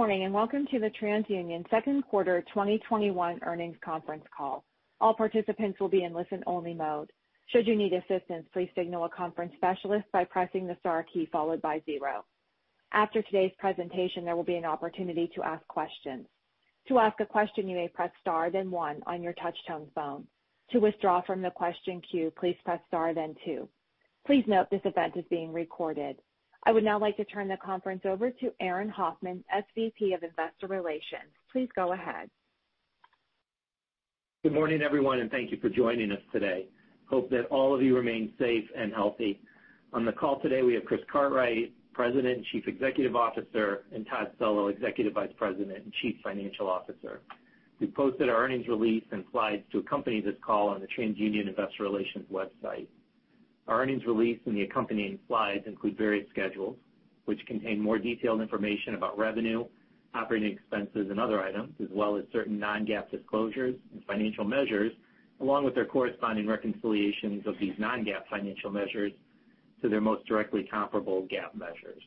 Good morning, and welcome to the TransUnion Second Quarter 2021 Earnings Conference Call. I would now like to turn the conference over to Aaron Hoffman, SVP of Investor Relations. Please go ahead. Good morning, everyone, and thank you for joining us today. Hope that all of you remain safe and healthy. On the call today, we have Chris Cartwright, President and Chief Executive Officer, and Todd Cello, Executive Vice President and Chief Financial Officer. We posted our earnings release and slides to accompany this call on the TransUnion Investor Relations website. Our earnings release and the accompanying slides include various schedules, which contain more detailed information about revenue, operating expenses, and other items, as well as certain non-GAAP disclosures and financial measures, along with their corresponding reconciliations of these non-GAAP financial measures to their most directly comparable GAAP measures.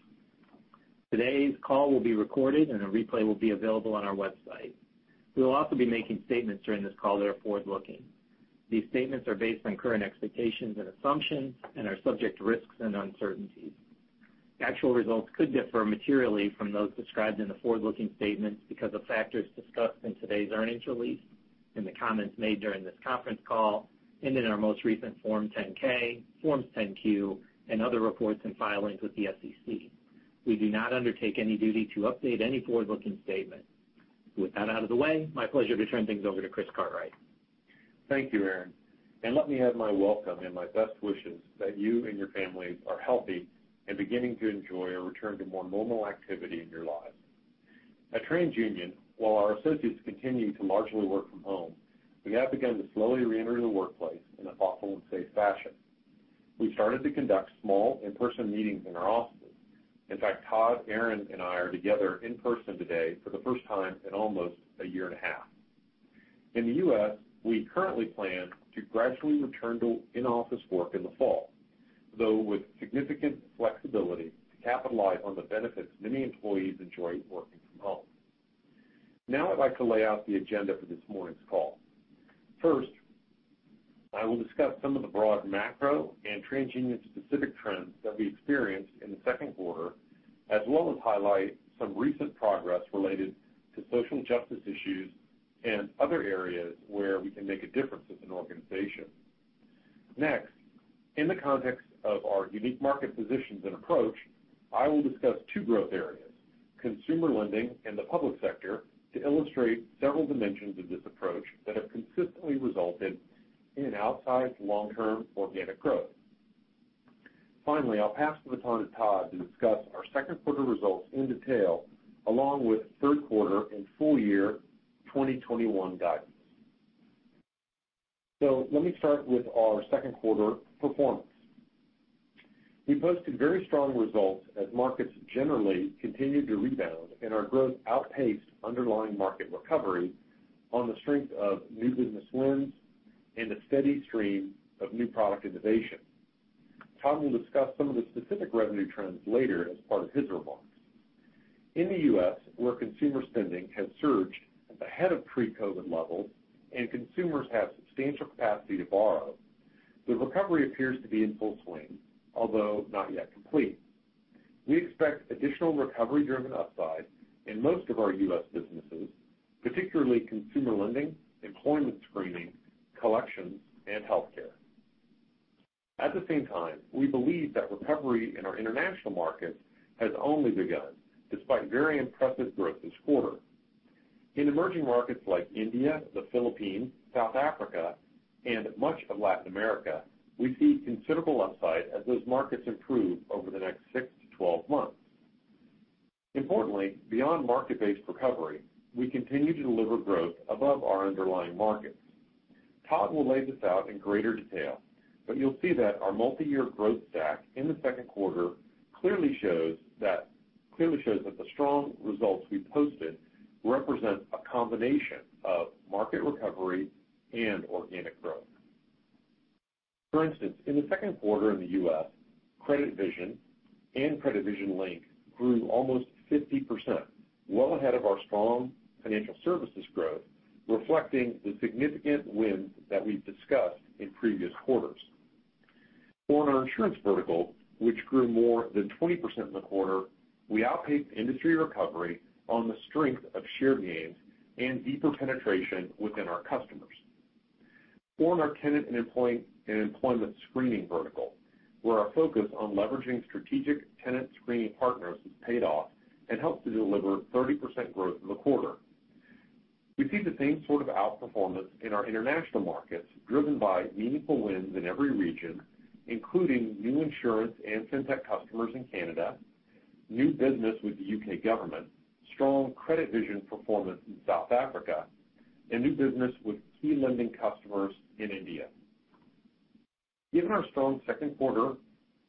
Today's call will be recorded and a replay will be available on our website. We will also be making statements during this call that are forward-looking. These statements are based on current expectations and assumptions and are subject to risks and uncertainties. Actual results could differ materially from those described in the forward-looking statements because of factors discussed in today's earnings release, in the comments made during this conference call, and in our most recent Form 10-K, Forms 10-Q, and other reports and filings with the SEC. We do not undertake any duty to update any forward-looking statement. With that out of the way, my pleasure to turn things over to Chris Cartwright. Thank you, Aaron. Let me add my welcome and my best wishes that you and your families are healthy and beginning to enjoy a return to more normal activity in your lives. At TransUnion, while our associates continue to largely work from home, we have begun to slowly re-enter the workplace in a thoughtful and safe fashion. We've started to conduct small in-person meetings in our offices. In fact, Todd, Aaron, and I are together in person today for the first time in almost a year and a half. In the U.S., we currently plan to gradually return to in-office work in the fall, though with significant flexibility to capitalize on the benefits many employees enjoy working from home. I'd like to lay out the agenda for this morning's call. I will discuss some of the broad macro and TransUnion-specific trends that we experienced in the second quarter, as well as highlight some recent progress related to social justice issues and other areas where we can make a difference as an organization. In the context of our unique market positions and approach, I will discuss two growth areas, consumer lending and the public sector, to illustrate several dimensions of this approach that have consistently resulted in an outsized long-term organic growth. I'll pass the baton to Todd to discuss our second quarter results in detail, along with third quarter and full year 2021 guidance. Let me start with our second quarter performance. We posted very strong results as markets generally continued to rebound and our growth outpaced underlying market recovery on the strength of new business wins and a steady stream of new product innovation. Todd will discuss some of the specific revenue trends later as part of his remarks. In the U.S., where consumer spending has surged ahead of pre-COVID levels and consumers have substantial capacity to borrow, the recovery appears to be in full swing, although not yet complete. We expect additional recovery-driven upside in most of our U.S. businesses, particularly consumer lending, employment screening, collections, and healthcare. At the same time, we believe that recovery in our international markets has only begun, despite very impressive growth this quarter. In emerging markets like India, the Philippines, South Africa, and much of Latin America, we see considerable upside as those markets improve over the next six to 12 months. Importantly, beyond market-based recovery, we continue to deliver growth above our underlying markets. Todd will lay this out in greater detail. You'll see that our multi-year growth stack in the second quarter clearly shows that the strong results we posted represent a combination of market recovery and organic growth. For instance, in the second quarter in the U.S., CreditVision and CreditVision Link grew almost 50%, well ahead of our strong financial services growth, reflecting the significant wins that we've discussed in previous quarters. For our insurance vertical, which grew more than 20% in the quarter, we outpaced industry recovery on the strength of share gains and deeper penetration within our customers. For our tenant and employment screening vertical, where our focus on leveraging strategic tenant screening partners has paid off and helped to deliver 30% growth in the quarter. We see the same sort of outperformance in our international markets, driven by meaningful wins in every region, including new insurance in fintech customers in Canada, new business with the U.K. government, strong CreditVision performance in South Africa, and new business with key lending customers in India. Given our strong second quarter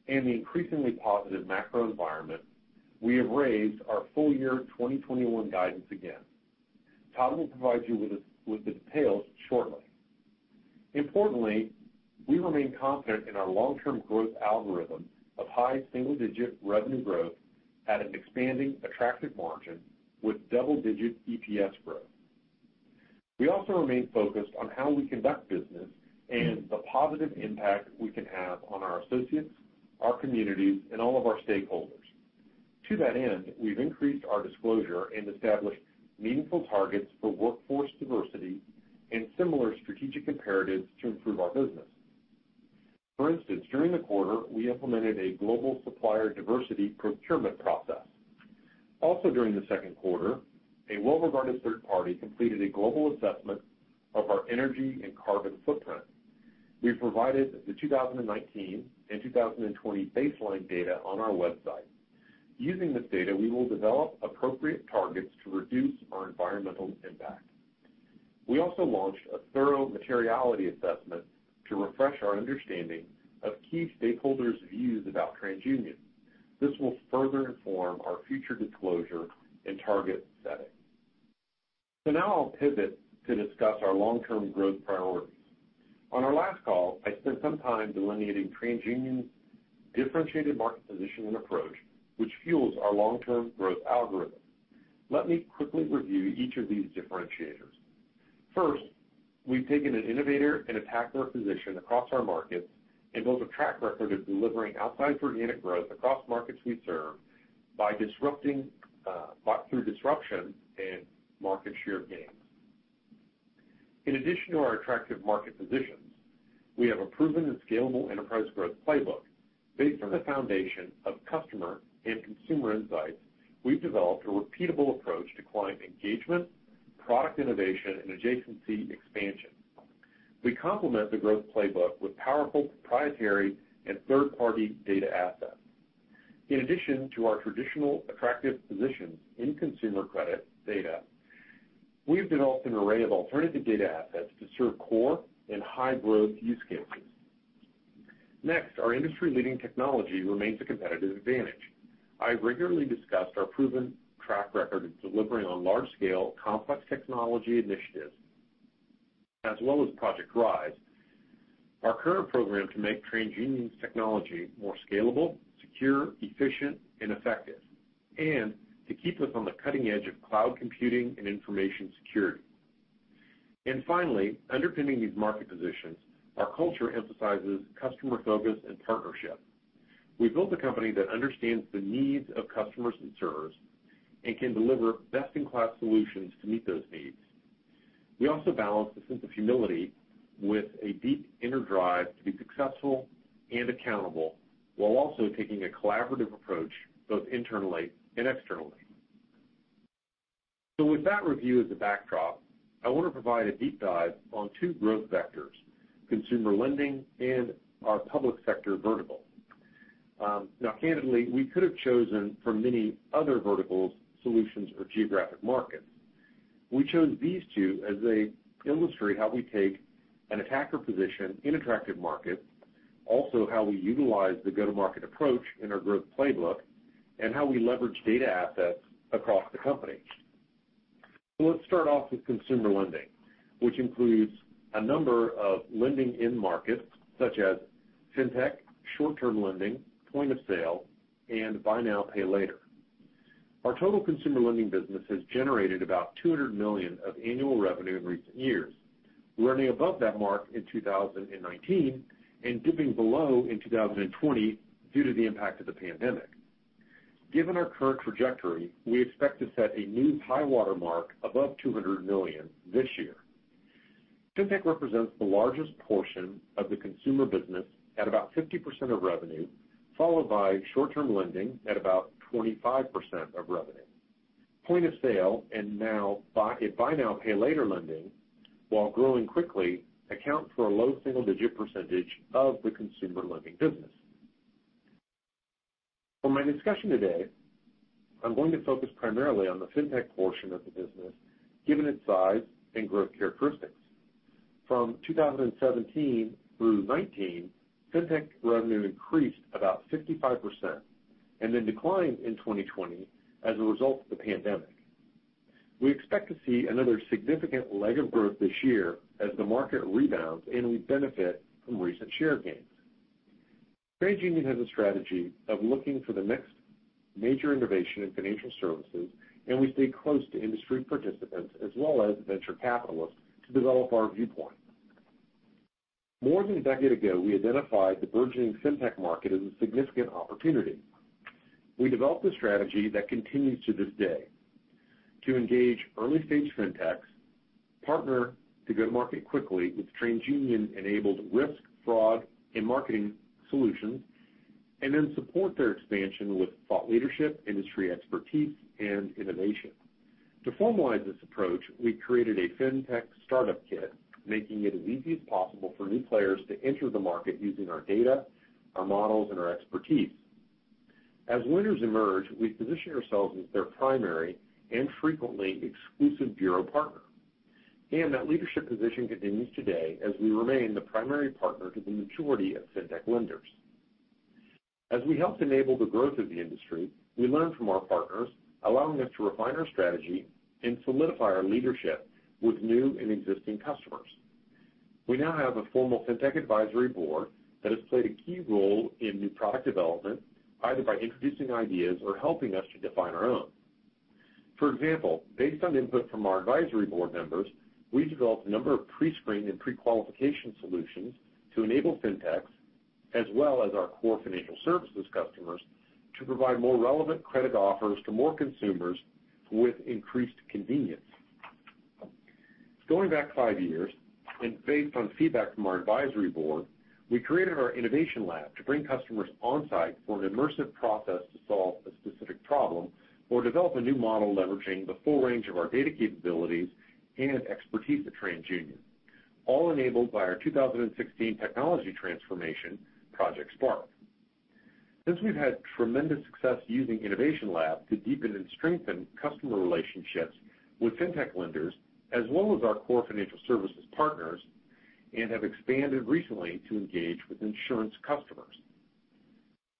and the increasingly positive macro environment, we have raised our full year 2021 guidance again. Todd will provide you with the details shortly. Importantly, we remain confident in our long-term growth algorithm of high single-digit revenue growth at an expanding attractive margin with double-digit EPS growth. We also remain focused on how we conduct business and the positive impact we can have on our associates, our communities, and all of our stakeholders. To that end, we've increased our disclosure and established meaningful targets for workforce diversity and similar strategic imperatives to improve our business. For instance, during the quarter, we implemented a global supplier diversity procurement process. Also during the second quarter, a well-regarded third party completed a global assessment of our energy and carbon footprint. We've provided the 2019 and 2020 baseline data on our website. Using this data, we will develop appropriate targets to reduce our environmental impact. We also launched a thorough materiality assessment to refresh our understanding of key stakeholders' views about TransUnion. This will further inform our future disclosure and target setting. Now I'll pivot to discuss our long-term growth priorities. On our last call, I spent some time delineating TransUnion's differentiated market position and approach, which fuels our long-term growth algorithm. Let me quickly review each of these differentiators. First, we've taken an innovator and attacker position across our markets and built a track record of delivering outsized organic growth across markets we serve through disruption and market share gains. In addition to our attractive market positions, we have a proven and scalable enterprise growth playbook. Based on the foundation of customer and consumer insights, we've developed a repeatable approach to client engagement, product innovation, and adjacency expansion. We complement the growth playbook with powerful proprietary and third-party data assets. In addition to our traditional attractive positions in consumer credit data, we've developed an array of alternative data assets to serve core and high-growth use cases. Next, our industry-leading technology remains a competitive advantage. I've regularly discussed our proven track record of delivering on large-scale, complex technology initiatives as well as Project Rise, our current program to make TransUnion's technology more scalable, secure, efficient, and effective, to keep us on the cutting edge of cloud computing and information security. Finally, underpinning these market positions, our culture emphasizes customer focus and partnership. We've built a company that understands the needs of customers it serves and can deliver best-in-class solutions to meet those needs. We also balance the sense of humility with a deep inner drive to be successful and accountable, while also taking a collaborative approach both internally and externally. With that review as a backdrop, I want to provide a deep dive on two growth vectors, consumer lending and our public sector vertical. Now, candidly, we could have chosen from many other verticals, solutions, or geographic markets. We chose these two as they illustrate how we take an attacker position in attractive markets, also how we utilize the go-to-market approach in our growth playbook, and how we leverage data assets across the company. Let's start off with consumer lending, which includes a number of lending end markets such as fintech, short-term lending, point-of-sale, and buy now, pay later. Our total consumer lending business has generated about $200 million of annual revenue in recent years. We're running above that mark in 2019 and dipping below in 2020 due to the impact of the pandemic. Given our current trajectory, we expect to set a new high water mark above $200 million this year. fintech represents the largest portion of the consumer business at about 50% of revenue, followed by short-term lending at about 25% of revenue. Point-of-sale and buy now, pay later lending, while growing quickly, account for a low single-digit percentage of the consumer lending business. For my discussion today, I'm going to focus primarily on the fintech portion of the business, given its size and growth characteristics. From 2017 through 2019, fintech revenue increased about 55% and then declined in 2020 as a result of the pandemic. We expect to see another significant leg of growth this year as the market rebounds and we benefit from recent share gains. TransUnion has a strategy of looking for the next major innovation in financial services, and we stay close to industry participants as well as venture capitalists to develop our viewpoint. More than a decade ago, we identified the burgeoning fintech market as a significant opportunity. We developed a strategy that continues to this day to engage early-stage fintechs, partner to go to market quickly with TransUnion-enabled risk, fraud, and marketing solutions, and then support their expansion with thought leadership, industry expertise, and innovation. To formalize this approach, we created a fintech startup kit, making it as easy as possible for new players to enter the market using our data, our models, and our expertise. As winners emerge, we position ourselves as their primary and frequently exclusive bureau partner. That leadership position continues today as we remain the primary partner to the majority of fintech lenders. As we helped enable the growth of the industry, we learned from our partners, allowing us to refine our strategy and solidify our leadership with new and existing customers. We now have a formal fintech advisory board that has played a key role in new product development, either by introducing ideas or helping us to define our own. For example, based on input from our advisory board members, we developed a number of pre-screen and pre-qualification solutions to enable fintechs, as well as our core financial services customers, to provide more relevant credit offers to more consumers with increased convenience. Going back five years, and based on feedback from our advisory board, we created our Innovation Lab to bring customers on-site for an immersive process to solve a specific problem or develop a new model leveraging the full range of our data capabilities and expertise at TransUnion, all enabled by our 2016 technology transformation, Project Spark. Since we've had tremendous success using Innovation Lab to deepen and strengthen customer relationships with fintech lenders, as well as our core financial services partners, and have expanded recently to engage with insurance customers.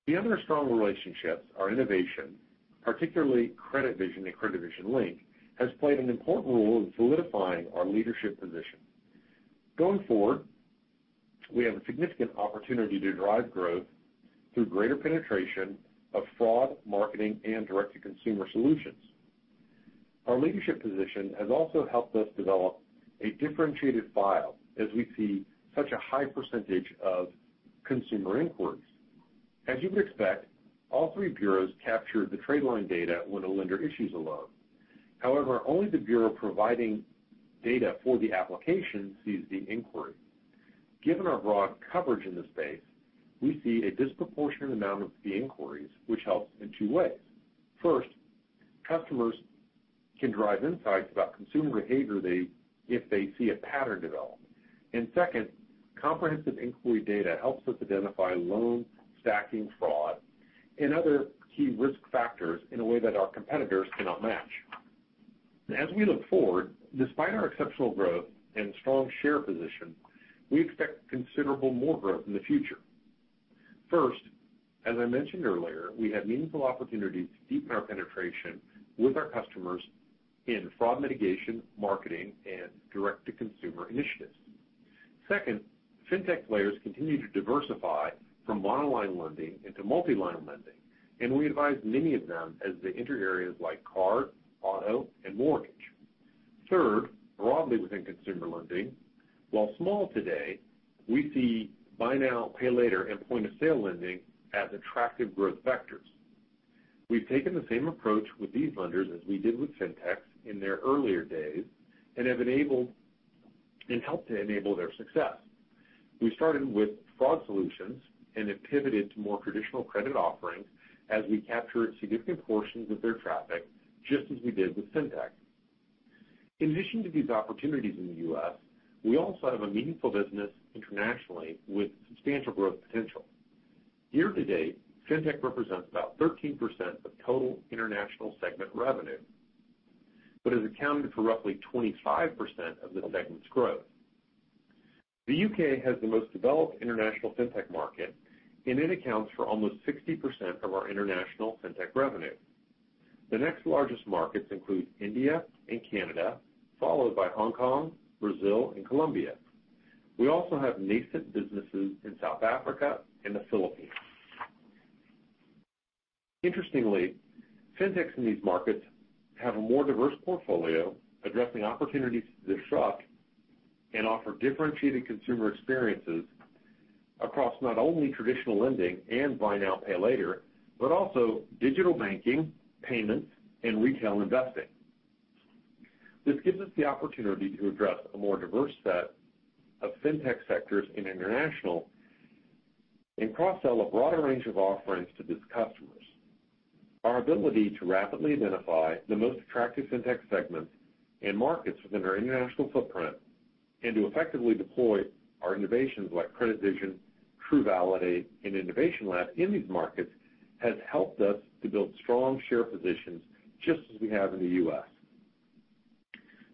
Beyond our strong relationships, our innovation, particularly CreditVision and CreditVision Link, has played an important role in solidifying our leadership position. Going forward, we have a significant opportunity to drive growth through greater penetration of fraud, marketing, and direct-to-consumer solutions. Our leadership position has also helped us develop a differentiated file as we see such a high percentage of consumer inquiries. As you would expect, all three bureaus capture the trade line data when a lender issues a loan. However, only the bureau providing data for the application sees the inquiry. Given our broad coverage in the space, we see a disproportionate amount of the inquiries, which helps in two ways. First, customers can drive insights about consumer behavior if they see a pattern develop. Second, comprehensive inquiry data helps us identify loan stacking fraud and other key risk factors in a way that our competitors cannot match. As we look forward, despite our exceptional growth and strong share position, we expect considerable more growth in the future. First, as I mentioned earlier, we have meaningful opportunities to deepen our penetration with our customers in fraud mitigation, marketing, and direct-to-consumer initiatives. Second, fintech players continue to diversify from monoline lending into multiline lending, and we advise many of them as they enter areas like car, auto, and mortgage. Third, broadly within consumer lending, while small today, we see buy now, pay later and point-of-sale lending as attractive growth vectors. We've taken the same approach with these lenders as we did with fintechs in their earlier days and have enabled and helped to enable their success. We started with fraud solutions and have pivoted to more traditional credit offerings as we capture significant portions of their traffic, just as we did with fintech. In addition to these opportunities in the U.S., we also have a meaningful business internationally with substantial growth potential. Year-to-date, fintech represents about 13% of total international segment revenue, but has accounted for roughly 25% of the segment's growth. The U.K. has the most developed international fintech market, and it accounts for almost 60% of our international fintech revenue. The next largest markets include India and Canada, followed by Hong Kong, Brazil, and Colombia. We also have nascent businesses in South Africa and the Philippines. Interestingly, fintechs in these markets have a more diverse portfolio addressing opportunities to disrupt and offer differentiated consumer experiences across not only traditional lending and buy now, pay later, but also digital banking, payments, and retail investing. This gives us the opportunity to address a more diverse set of fintech sectors in international and cross-sell a broader range of offerings to these customers. Our ability to rapidly identify the most attractive fintech segments and markets within our international footprint and to effectively deploy our innovations like CreditVision, TruValidate, and Innovation Lab in these markets has helped us to build strong share positions, just as we have in the U.S.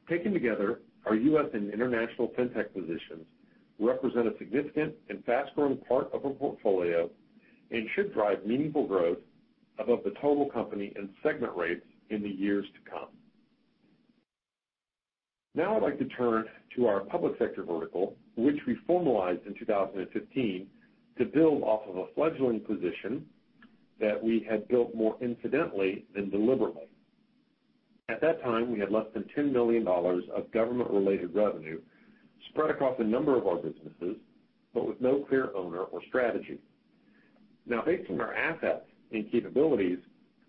Taken together, our U.S. and international fintech positions represent a significant and fast-growing part of our portfolio and should drive meaningful growth above the total company and segment rates in the years to come. I'd like to turn to our public sector vertical, which we formalized in 2015 to build off of a fledgling position that we had built more incidentally than deliberately. At that time, we had less than $10 million of government-related revenue spread across a number of our businesses, but with no clear owner or strategy. Based on our assets and capabilities,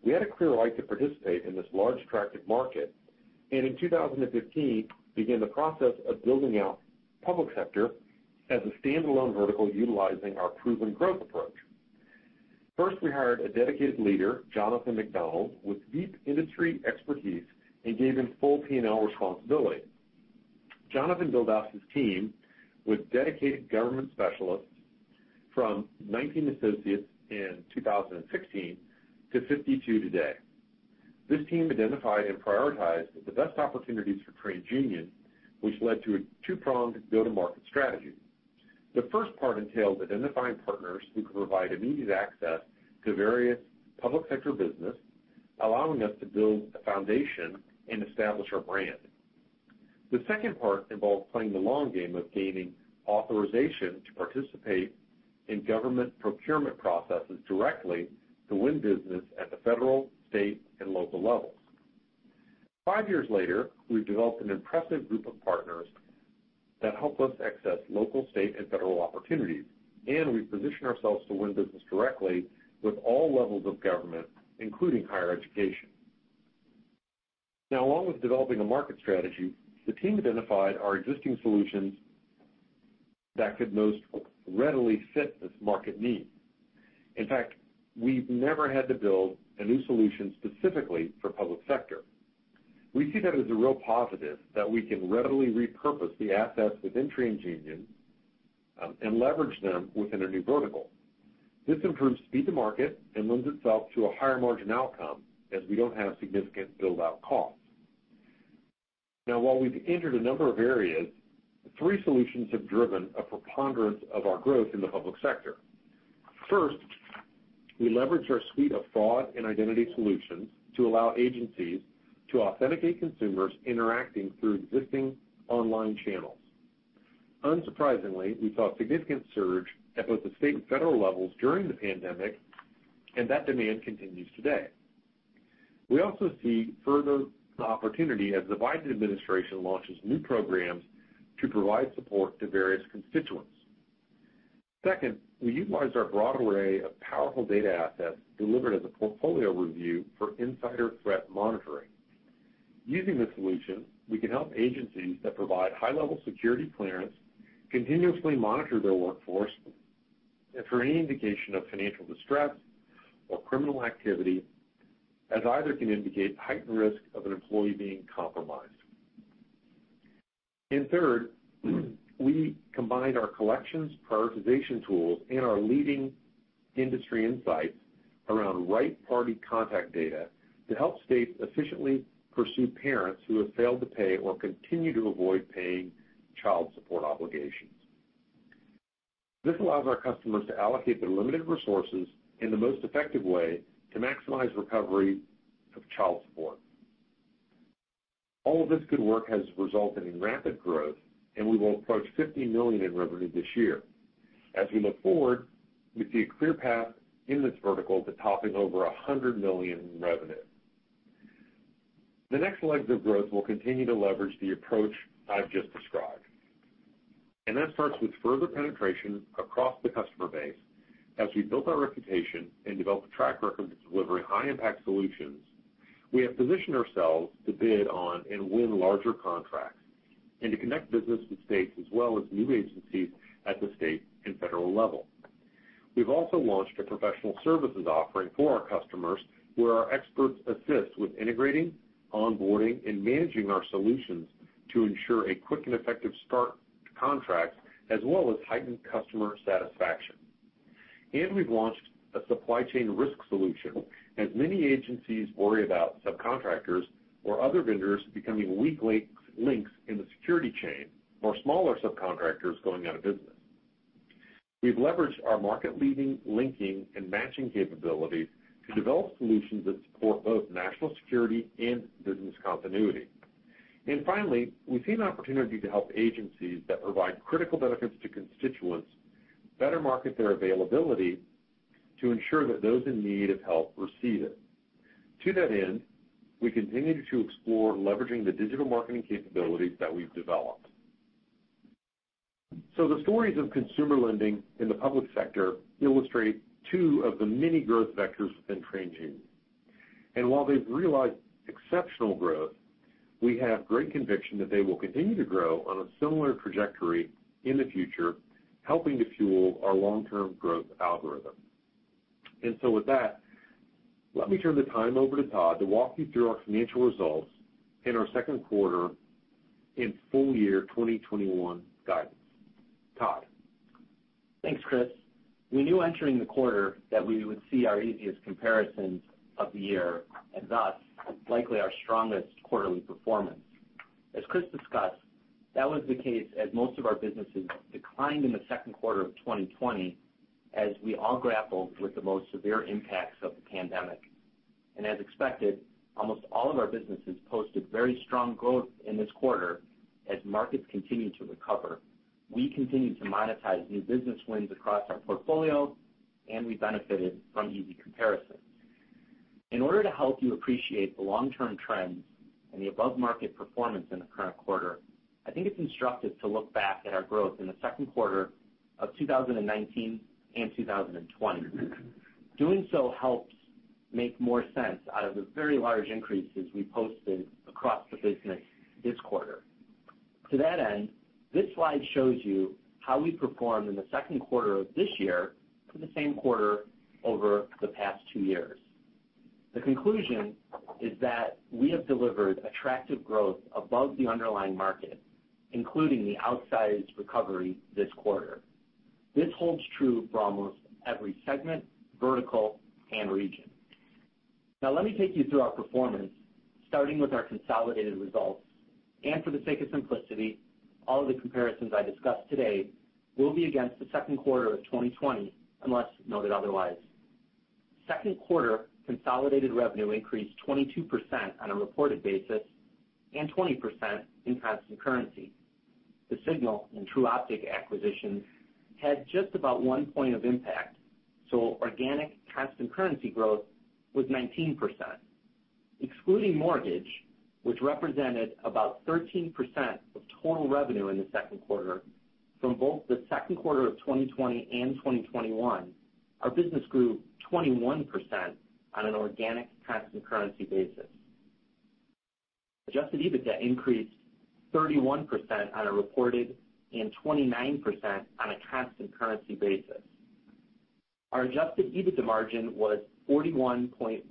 we had a clear right to participate in this large attractive market, and in 2015, began the process of building out public sector as a standalone vertical utilizing our proven growth approach. First, we hired a dedicated leader, Jonathan McDonald, with deep industry expertise and gave him full P&L responsibility. Jonathan built out his team with dedicated government specialists from 19 associates in 2016 to 52 today. This team identified and prioritized the best opportunities for TransUnion, which led to a two-pronged go-to-market strategy. The first part entails identifying partners who can provide immediate access to various public sector business, allowing us to build a foundation and establish our brand. The second part involves playing the long game of gaining authorization to participate in government procurement processes directly to win business at the federal, state, and local levels. Five years later, we've developed an impressive group of partners that help us access local, state, and federal opportunities, and we've positioned ourselves to win business directly with all levels of government, including higher education. Along with developing a market strategy, the team identified our existing solutions that could most readily fit this market need. In fact, we've never had to build a new solution specifically for public sector. We see that as a real positive that we can readily repurpose the assets within TransUnion and leverage them within a new vertical. This improves speed to market and lends itself to a higher margin outcome as we don't have significant build-out costs. While we've entered a number of areas, three solutions have driven a preponderance of our growth in the public sector. First, we leveraged our suite of fraud and identity solutions to allow agencies to authenticate consumers interacting through existing online channels. Unsurprisingly, we saw a significant surge at both the state and federal levels during the pandemic, and that demand continues today. We also see further opportunity as the Biden administration launches new programs to provide support to various constituents. Second, we utilized our broad array of powerful data assets delivered as a portfolio review for insider threat monitoring. Using this solution, we can help agencies that provide high-level security clearance continuously monitor their workforce, and for any indication of financial distress or criminal activity, as either can indicate heightened risk of an employee being compromised. Third, we combined our collections prioritization tools and our leading industry insights around right party contact data to help states efficiently pursue parents who have failed to pay or continue to avoid paying child support obligations. This allows our customers to allocate their limited resources in the most effective way to maximize recovery of child support. All of this good work has resulted in rapid growth, and we will approach $50 million in revenue this year. As we look forward, we see a clear path in this vertical to topping over $100 million in revenue. The next legs of growth will continue to leverage the approach I've just described, that starts with further penetration across the customer base. As we built our reputation and developed a track record of delivering high-impact solutions, we have positioned ourselves to bid on and win larger contracts and to connect business with states as well as new agencies at the state and federal level. We've also launched a professional services offering for our customers, where our experts assist with integrating, onboarding, and managing our solutions to ensure a quick and effective start to contracts, as well as heightened customer satisfaction. We've launched a supply chain risk solution, as many agencies worry about subcontractors or other vendors becoming weak links in the security chain or smaller subcontractors going out of business. We've leveraged our market-leading linking and matching capabilities to develop solutions that support both national security and business continuity. Finally, we see an opportunity to help agencies that provide critical benefits to constituents better market their availability to ensure that those in need of help receive it. To that end, we continue to explore leveraging the digital marketing capabilities that we've developed. The stories of consumer lending in the public sector illustrate two of the many growth vectors within TransUnion. While they've realized exceptional growth, we have great conviction that they will continue to grow on a similar trajectory in the future, helping to fuel our long-term growth algorithm. With that, let me turn the time over to Todd to walk you through our financial results in our second quarter and full year 2021 guidance. Todd? Thanks, Chris. We knew entering the quarter that we would see our easiest comparisons of the year, and thus, likely our strongest quarterly performance. As Chris discussed, that was the case as most of our businesses declined in the second quarter of 2020 as we all grappled with the most severe impacts of the pandemic. As expected, almost all of our businesses posted very strong growth in this quarter as markets continued to recover. We continued to monetize new business wins across our portfolio, and we benefited from easy comparisons. In order to help you appreciate the long-term trends and the above-market performance in the current quarter, I think it's instructive to look back at our growth in the second quarter of 2019 and 2020. Doing so helps make more sense out of the very large increases we posted across the business this quarter. To that end, this slide shows you how we performed in the second quarter of this year to the same quarter over the past two years. The conclusion is that we have delivered attractive growth above the underlying market, including the outsized recovery this quarter. This holds true for almost every segment, vertical, and region. Let me take you through our performance, starting with our consolidated results. For the sake of simplicity, all of the comparisons I discuss today will be against the second quarter of 2020, unless noted otherwise. Second quarter consolidated revenue increased 22% on a reported basis and 20% in constant currency. The Signal and Tru Optik acquisition had just about one point of impact, organic constant currency growth was 19%. Excluding mortgage, which represented about 13% of total revenue in the second quarter, from both the second quarter of 2020 and 2021, our business grew 21% on an organic constant currency basis. Adjusted EBITDA increased 31% on a reported and 29% on a constant currency basis. Our adjusted EBITDA margin was 41.1%,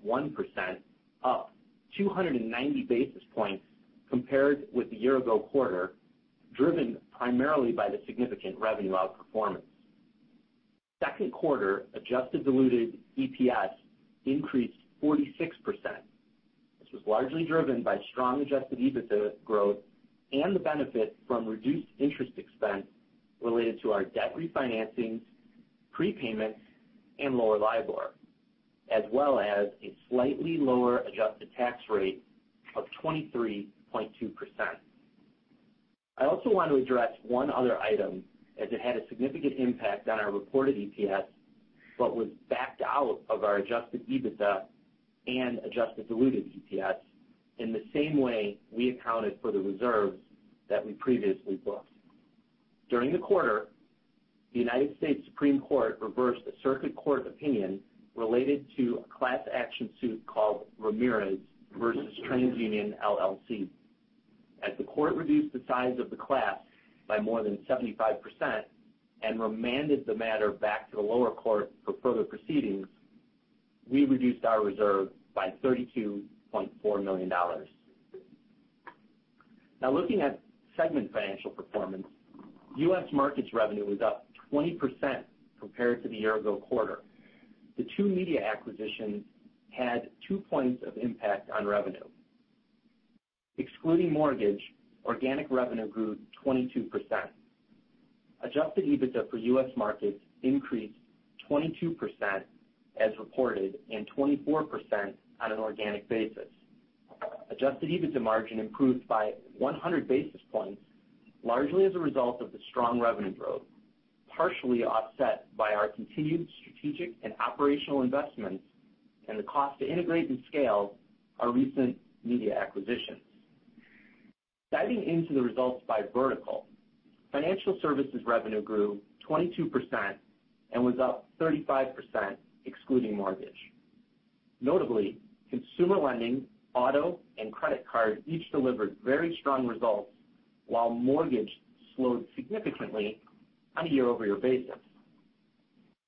up 290 basis points compared with the year-ago quarter, driven primarily by the significant revenue outperformance. Second quarter Adjusted Diluted EPS increased 46%. This was largely driven by strong adjusted EBITDA growth and the benefit from reduced interest expense related to our debt refinancing, prepayments, and lower LIBOR, as well as a slightly lower adjusted tax rate of 23.2%. I also want to address one other item, as it had a significant impact on our reported EPS, but was backed out of our Adjusted EBITDA and Adjusted Diluted EPS in the same way we accounted for the reserves that we previously booked. During the quarter, the United States Supreme Court reversed a circuit court opinion related to a class action suit called Ramirez versus TransUnion LLC. As the court reduced the size of the class by more than 75% and remanded the matter back to the lower court for further proceedings, we reduced our reserve by $32.4 million. Now looking at segment financial performance, U.S. Markets revenue was up 20% compared to the year-ago quarter. The two media acquisitions had two points of impact on revenue. Excluding mortgage, organic revenue grew 22%. Adjusted EBITDA for U.S. Markets increased 22% as reported and 24% on an organic basis. Adjusted EBITDA margin improved by 100 basis points, largely as a result of the strong revenue growth, partially offset by our continued strategic and operational investments and the cost to integrate and scale our recent media acquisitions. Diving into the results by vertical, Financial Services revenue grew 22% and was up 35% excluding mortgage. Notably, consumer lending, auto, and credit card each delivered very strong results, while mortgage slowed significantly on a year-over-year basis.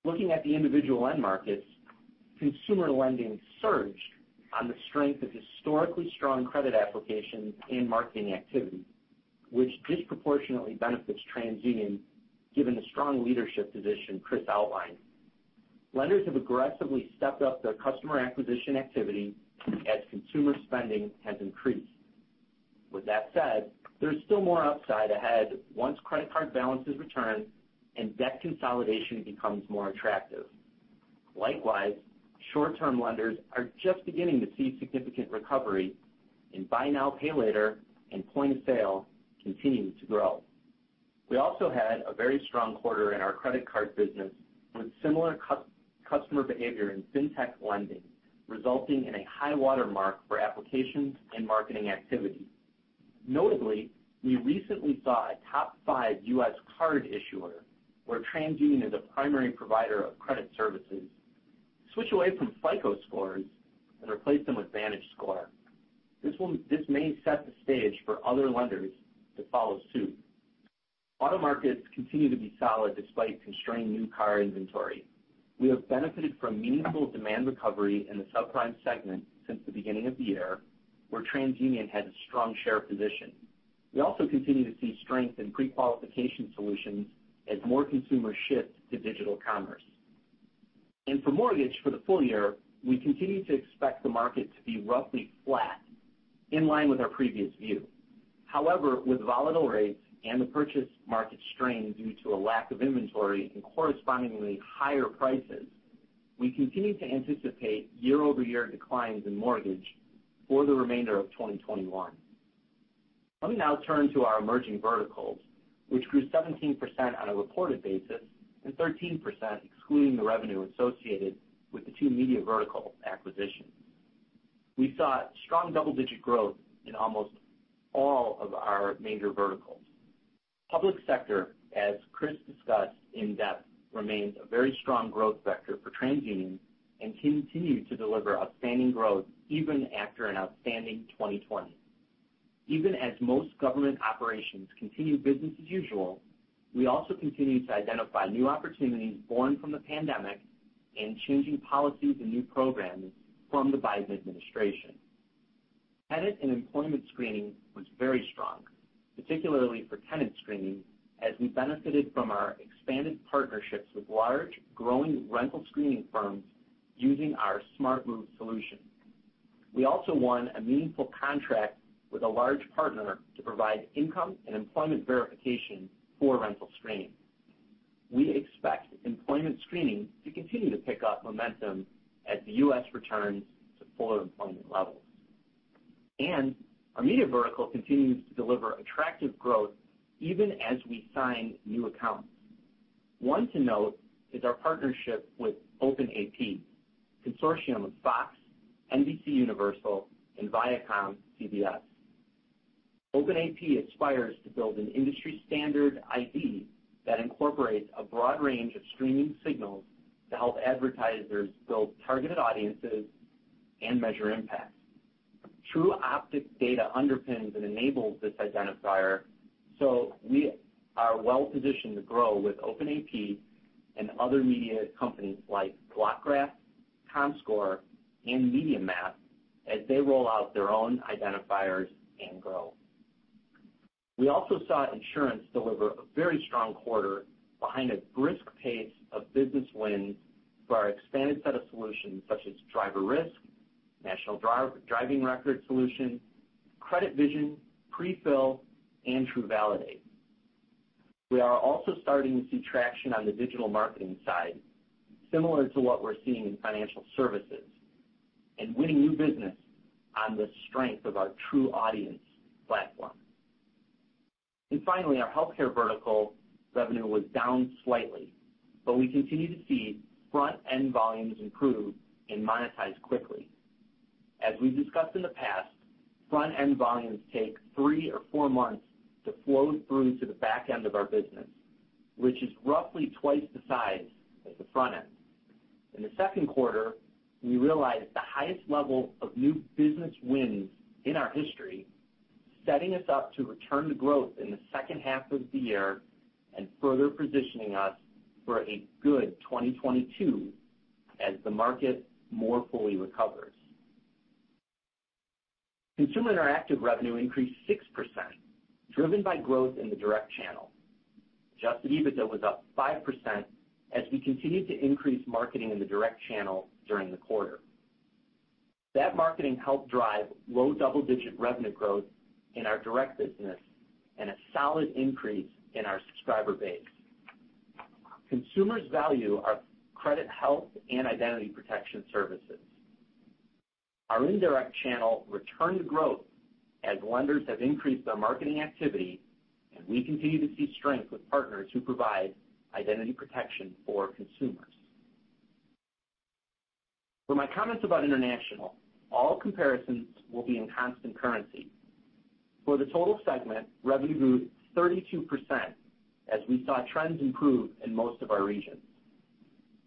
Looking at the individual end markets, consumer lending surged on the strength of historically strong credit applications and marketing activity, which disproportionately benefits TransUnion given the strong leadership position Chris outlined. Lenders have aggressively stepped up their customer acquisition activity as consumer spending has increased. With that said, there's still more upside ahead once credit card balances return and debt consolidation becomes more attractive. Likewise, short-term lenders are just beginning to see significant recovery in buy now, pay later and point-of-sale continue to grow. We also had a very strong quarter in our credit card business, with similar customer behavior in fintech lending, resulting in a high-water mark for applications and marketing activity. Notably, we recently saw a top-five U.S. card issuer, where TransUnion is a primary provider of credit services, switch away from FICO scores and replace them with VantageScore. This may set the stage for other lenders to follow suit. Auto markets continue to be solid despite constrained new car inventory. We have benefited from meaningful demand recovery in the subprime segment since the beginning of the year, where TransUnion has a strong share position. We also continue to see strength in prequalification solutions as more consumers shift to digital commerce. For mortgage for the full year, we continue to expect the market to be roughly flat, in line with our previous view. However, with volatile rates and the purchase market strained due to a lack of inventory and correspondingly higher prices, we continue to anticipate year-over-year declines in mortgage for the remainder of 2021. Let me now turn to our emerging verticals, which grew 17% on a reported basis and 13% excluding the revenue associated with the two media vertical acquisitions. We saw strong double-digit growth in almost all of our major verticals. Public Sector, as Chris discussed in depth, remains a very strong growth sector for TransUnion and continued to deliver outstanding growth even after an outstanding 2020. Even as most government operations continue business as usual, we also continue to identify new opportunities born from the pandemic and changing policies and new programs from the Biden administration. Tenant and employment screening was very strong, particularly for tenant screening, as we benefited from our expanded partnerships with large, growing rental screening firms using our SmartMove solution. We also won a meaningful contract with a large partner to provide income and employment verification for rental screening. We expect employment screening to continue to pick up momentum as the U.S. returns to fuller employment levels. Our media vertical continues to deliver attractive growth even as we sign new accounts. One to note is our partnership with OpenAP, a consortium of Fox, NBCUniversal, and ViacomCBS. OpenAP aspires to build an industry-standard ID that incorporates a broad range of streaming signals to help advertisers build targeted audiences and measure impact. Tru Optik's data underpins and enables this identifier, so we are well-positioned to grow with OpenAP and other media companies like Blockgraph, Comscore, and MediaMath, as they roll out their own identifiers and grow. We also saw insurance deliver a very strong quarter behind a brisk pace of business wins for our expanded set of solutions such as DriverRisk, National Driving Record solution, CreditVision, Prefill, and TruValidate. We are also starting to see traction on the digital marketing side, similar to what we're seeing in financial services, and winning new business on the strength of our TruAudience platform. Finally, our healthcare vertical revenue was down slightly, but we continue to see front-end volumes improve and monetize quickly. As we've discussed in the past, front-end volumes take three or four months to flow through to the back end of our business, which is roughly twice the size of the front end. In the second quarter, we realized the highest level of new business wins in our history, setting us up to return to growth in the second half of the year and further positioning us for a good 2022 as the market more fully recovers. Consumer interactive revenue increased 6%, driven by growth in the direct channel. Adjusted EBITDA was up 5% as we continued to increase marketing in the direct channel during the quarter. That marketing helped drive low double-digit revenue growth in our direct business and a solid increase in our subscriber base. Consumers value our credit health, and identity protection services. Our indirect channel returned to growth as lenders have increased their marketing activity, and we continue to see strength with partners who provide identity protection for consumers. For my comments about international, all comparisons will be in constant currency. For the total segment, revenue grew 32% as we saw trends improve in most of our regions.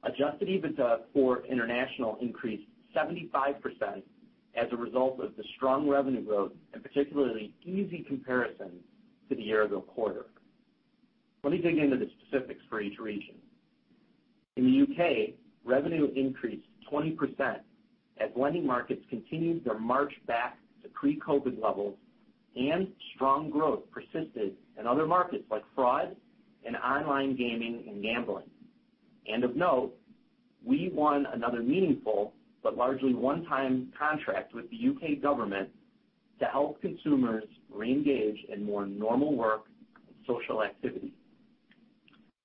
Adjusted EBITDA for international increased 75% as a result of the strong revenue growth and particularly easy comparisons to the year-ago quarter. Let me dig into the specifics for each region. In the U.K., revenue increased 20% as lending markets continued their march back to pre-COVID levels and strong growth persisted in other markets like fraud and online gaming and gambling. Of note, we won another meaningful but largely one-time contract with the U.K. government to help consumers reengage in more normal work and social activity.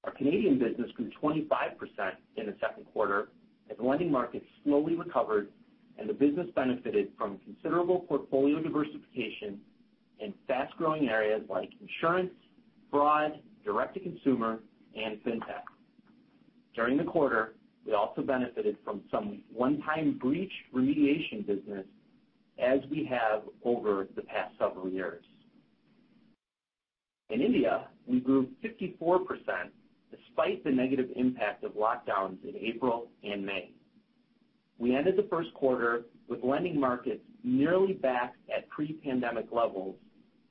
Our Canadian business grew 25% in the second quarter as the lending markets slowly recovered, and the business benefited from considerable portfolio diversification in fast-growing areas like insurance, fraud, direct-to-consumer, and fintech. During the quarter, we also benefited from some one-time breach remediation business, as we have over the past several years. In India, we grew 54% despite the negative impact of lockdowns in April and May. We ended the first quarter with lending markets nearly back at pre-pandemic levels,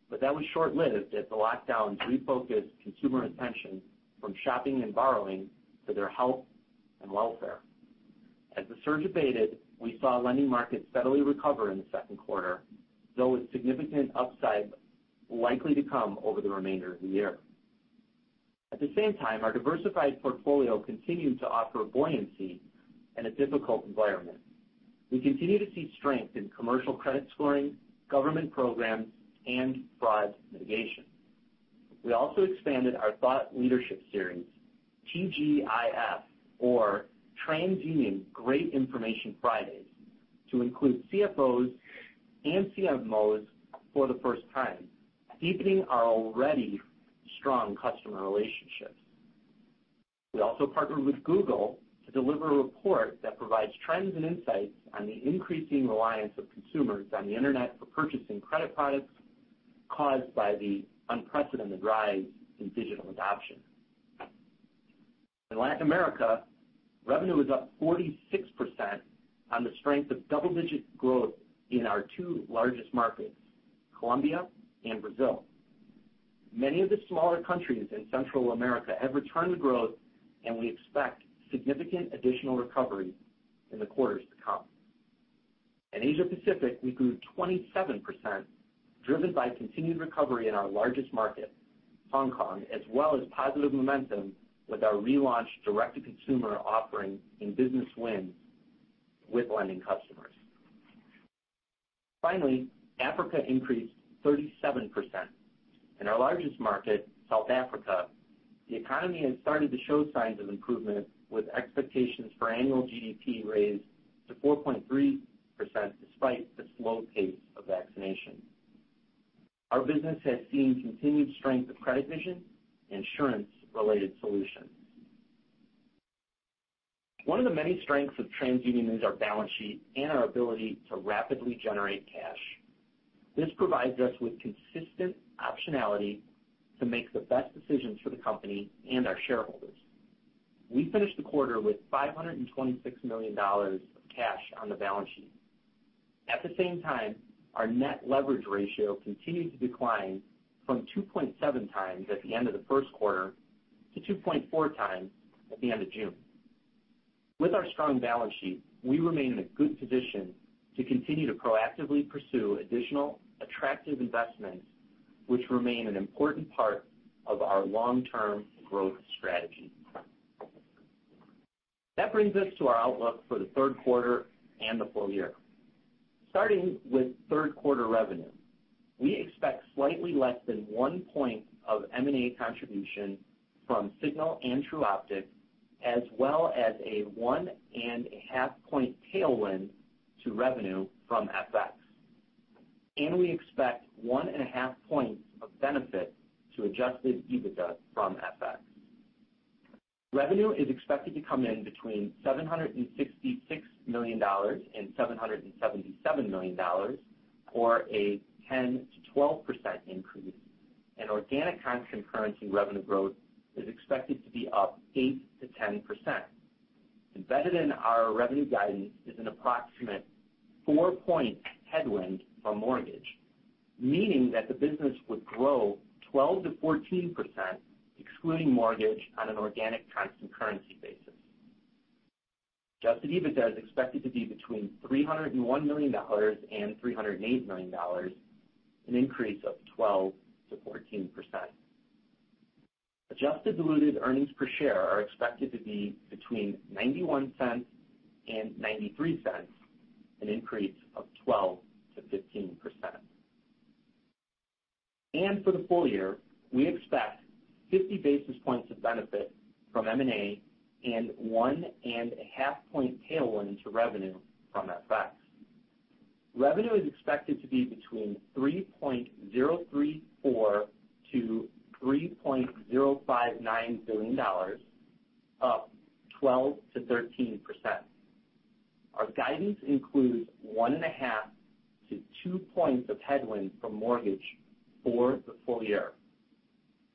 but that was short-lived as the lockdowns refocused consumer attention from shopping and borrowing to their health and welfare. As the surge abated, we saw lending markets steadily recover in the second quarter, though with significant upside likely to come over the remainder of the year. At the same time, our diversified portfolio continued to offer buoyancy in a difficult environment. We continue to see strength in commercial credit scoring, government programs, and fraud mitigation. We also expanded our thought leadership series, TGIF or TransUnion Great Information Fridays, to include CFOs and CFMOs for the first time, deepening our already strong customer relationships. We also partnered with Google to deliver a report that provides trends and insights on the increasing reliance of consumers on the internet for purchasing credit products caused by the unprecedented rise in digital adoption. In Latin America, revenue was up 46% on the strength of double-digit growth in our two largest markets, Colombia and Brazil. Many of the smaller countries in Central America have returned to growth, and we expect significant additional recovery in the quarters to come. In Asia Pacific, we grew 27%, driven by continued recovery in our largest market, Hong Kong, as well as positive momentum with our relaunched direct-to-consumer offering and business wins with lending customers. Finally, Africa increased 37%. In our largest market, South Africa, the economy has started to show signs of improvement with expectations for annual GDP raised to 4.3%, despite the slow pace of vaccination. Our business has seen continued strength of CreditVision and insurance-related solutions. One of the many strengths of TransUnion is our balance sheet and our ability to rapidly generate cash. This provides us with consistent optionality to make the best decisions for the company and our shareholders. We finished the quarter with $526 million of cash on the balance sheet. At the same time, our net leverage ratio continued to decline from 2.7 times at the end of the first quarter to 2.4 times at the end of June. With our strong balance sheet, we remain in a good position to continue to proactively pursue additional attractive investments, which remain an important part of our long-term growth strategy. That brings us to our outlook for the third quarter and the full year. Starting with third quarter revenue, we expect slightly less than 1 point of M&A contribution from Signal and Tru Optik, as well as a 1.5 point tailwind to revenue from FX. We expect 1.5 points of benefit to Adjusted EBITDA from FX. Revenue is expected to come in between $766 million and $777 million, or a 10%-12% increase. Organic constant currency revenue growth is expected to be up 8%-10%. Embedded in our revenue guidance is an approximate 4-point headwind from mortgage, meaning that the business would grow 12%-14% excluding mortgage on an organic constant currency basis. Adjusted EBITDA is expected to be between $301 million and $308 million, an increase of 12%-14%. Adjusted diluted earnings per share are expected to be between $0.91 and $0.93, an increase of 12%-15%. For the full year, we expect 50 basis points of benefit from M&A and 1.5-point tailwind to revenue from FX. Revenue is expected to be between $3.034 billion-$3.059 billion, up 12%-13%. Our guidance includes 1.5-2 points of headwind from mortgage for the full year.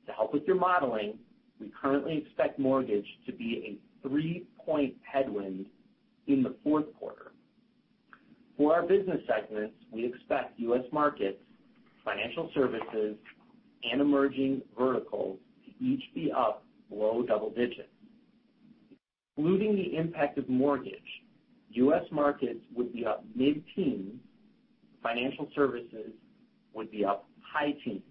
To help with your modeling, we currently expect mortgage to be a 3-point headwind in the fourth quarter. For our business segments, we expect U.S. Markets, Financial Services, and Emerging Verticals to each be up low double digits. Excluding the impact of mortgage, U.S. Markets would be up mid-teen. Financial Services would be up high teens.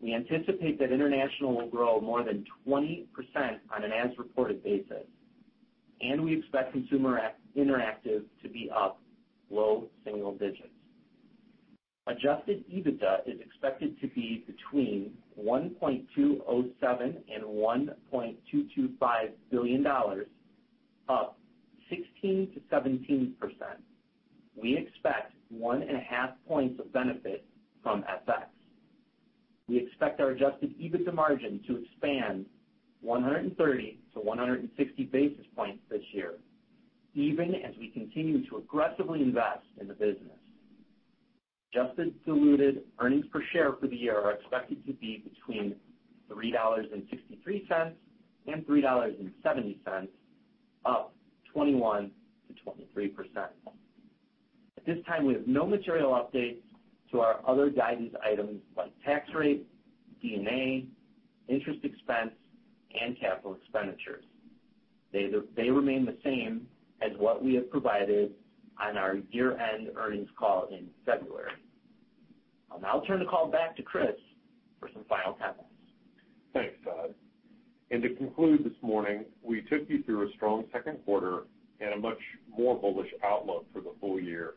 We anticipate that International will grow more than 20% on an as-reported basis. We expect Consumer Interactive to be up low single digits. Adjusted EBITDA is expected to be between $1.207 billion and $1.225 billion, up 16%-17%. We expect 1.5 points of benefit from FX. We expect our Adjusted EBITDA margin to expand 130-160 basis points this year, even as we continue to aggressively invest in the business. Adjusted Diluted EPS for the year are expected to be between $3.63 and $3.70, up 21%-23%. At this time, we have no material updates to our other guidance items like tax rate, D&A, interest expense, and capital expenditures. They remain the same as what we have provided on our year-end earnings call in February. I'll now turn the call back to Chris for some final comments. Thanks, Todd. To conclude this morning, we took you through a strong second quarter and a much more bullish outlook for the full year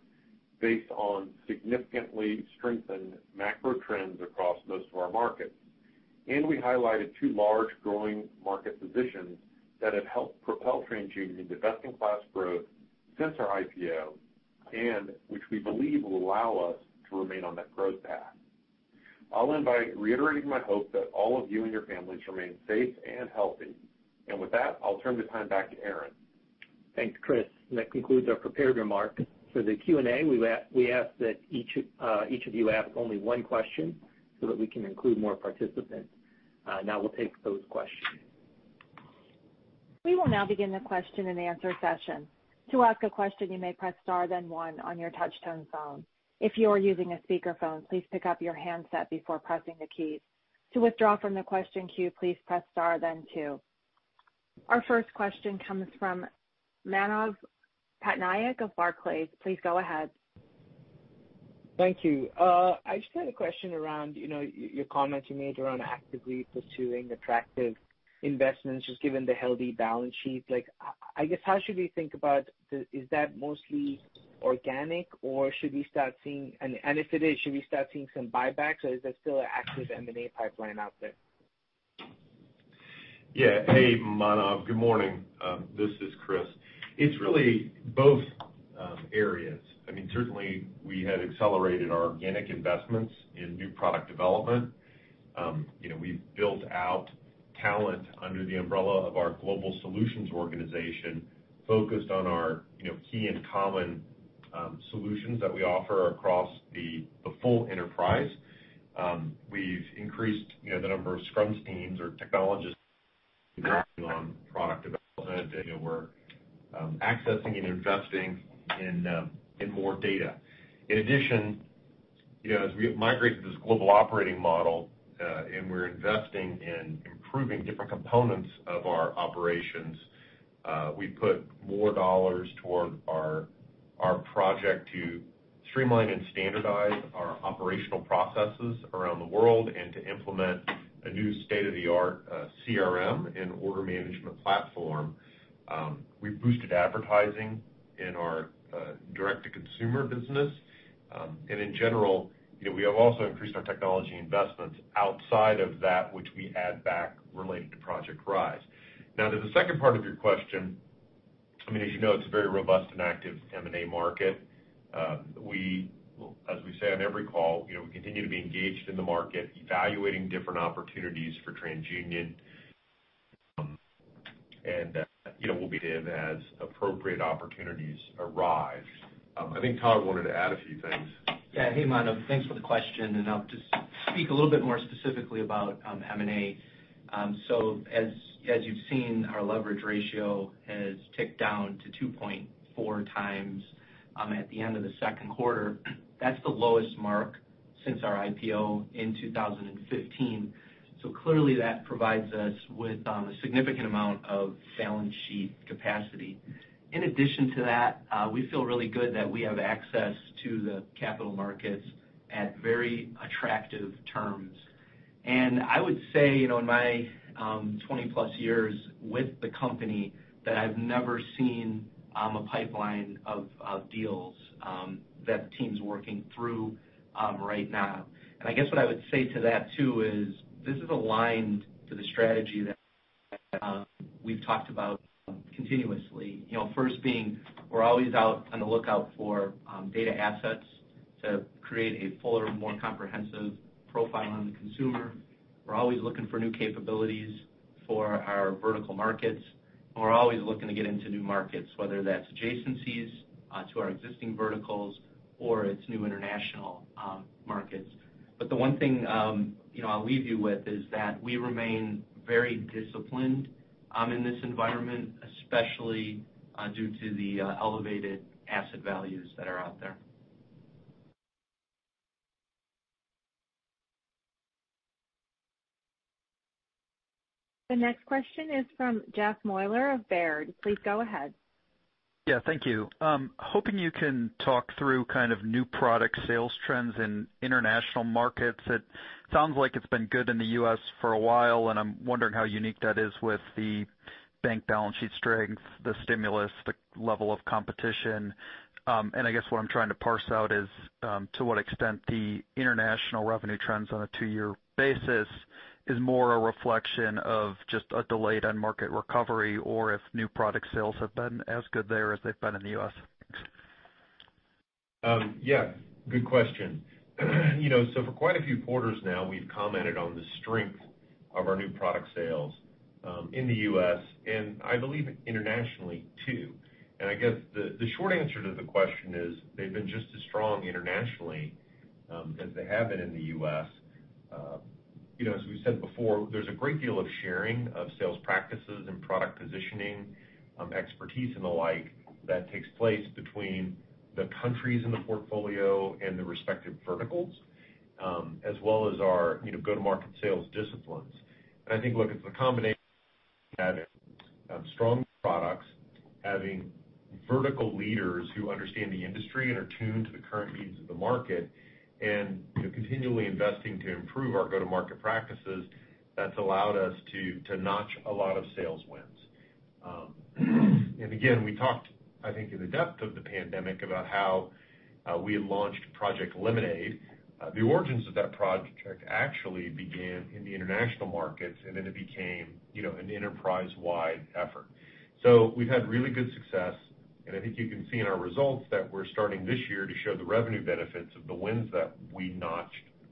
based on significantly strengthened macro trends across most of our markets. We highlighted two large growing market positions that have helped propel TransUnion to best-in-class growth since our IPO, and which we believe will allow us to remain on that growth path. I'll end by reiterating my hope that all of you and your families remain safe and healthy. With that, I'll turn the time back to Aaron. Thanks, Chris. That concludes our prepared remarks. For the Q&A, we ask that each of you ask only one question so that we can include more participants. Now we'll take those questions. We will now begin the question and answer session. Our first question comes from Manav Patnaik of Barclays. Please go ahead. Thank you. I just had a question around your comments you made around actively pursuing attractive investments, just given the healthy balance sheet. I guess, how should we think about, is that mostly organic, or if it is, should we start seeing some buybacks, or is there still an active M&A pipeline out there? Yeah. Hey, Manav. Good morning. This is Chris. It's really both areas. Certainly, we had accelerated our organic investments in new product development. We've built out talent under the umbrella of our global solutions organization, focused on our key and common solutions that we offer across the full enterprise. We've increased the number of Scrums teams or technologists working on product development. We're accessing and investing in more data. As we migrate to this global operating model and we're investing in improving different components of our operations, we put more dollars toward our project to streamline and standardize our operational processes around the world and to implement a new state-of-the-art CRM and order management platform. We've boosted advertising in our direct-to-consumer business. In general, we have also increased our technology investments outside of that which we add back related to Project Rise. Now, to the second part of your question, as you know, it's a very robust and active M&A market. As we say on every call, we continue to be engaged in the market, evaluating different opportunities for TransUnion. We'll be in as appropriate opportunities arise. I think Todd Cello wanted to add a few things. Yeah. Hey, Manav. Thanks for the question. I'll just speak a little bit more specifically about M&A. As you've seen, our leverage ratio has ticked down to 2.4 times at the end of the second quarter. That's the lowest mark since our IPO in 2015. Clearly, that provides us with a significant amount of balance sheet capacity. In addition to that, we feel really good that we have access to the capital markets at very attractive terms. I would say, in my 20-plus years with the company, that I've never seen a pipeline of deals that the team's working through right now. I guess what I would say to that too is this is aligned to the strategy that we've talked about continuously. First being, we're always out on the lookout for data assets to create a fuller, more comprehensive profile on the consumer. We're always looking for new capabilities for our vertical markets. We're always looking to get into new markets, whether that's adjacencies to our existing verticals or it's new international markets. The one thing I'll leave you with is that we remain very disciplined in this environment, especially due to the elevated asset values that are out there. The next question is from Jeff Meuler of Baird. Please go ahead. Yeah, thank you. Hoping you can talk through new product sales trends in international markets. It sounds like it's been good in the U.S. for a while. I'm wondering how unique that is with the bank balance sheet strength, the stimulus, the level of competition. I guess what I'm trying to parse out is to what extent the international revenue trends on a two-year basis is more a reflection of just a delayed end market recovery, or if new product sales have been as good there as they've been in the U.S. Thanks. Yeah, good question. For quite a few quarters now, we've commented on the strength of our new product sales in the U.S., and I believe internationally too. I guess the short answer to the question is they've been just as strong internationally as they have been in the U.S. As we said before, there's a great deal of sharing of sales practices and product positioning expertise and the like that takes place between the countries in the portfolio and the respective verticals, as well as our go-to-market sales disciplines. I think, look, it's a combination of having strong products, having vertical leaders who understand the industry and are tuned to the current needs of the market, and continually investing to improve our go-to-market practices that's allowed us to notch a lot of sales wins. Again, we talked, I think in the depth of the pandemic, about how we had launched Project Lemonade. The origins of that project actually began in the international markets, and then it became an enterprise-wide effort. We've had really good success, and I think you can see in our results that we're starting this year to show the revenue benefits of the wins that we notched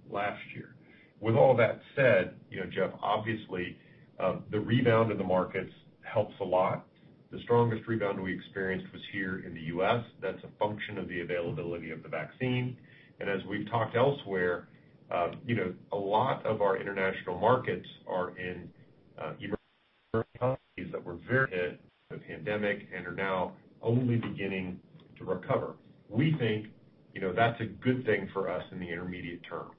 last year. With all that said, Jeff, obviously, the rebound in the markets helps a lot. The strongest rebound we experienced was here in the U.S. That's a function of the availability of the vaccine. As we've talked elsewhere, a lot of our international markets are in that were very hit by the pandemic and are now only beginning to recover. We think that's a good thing for us in the intermediate term.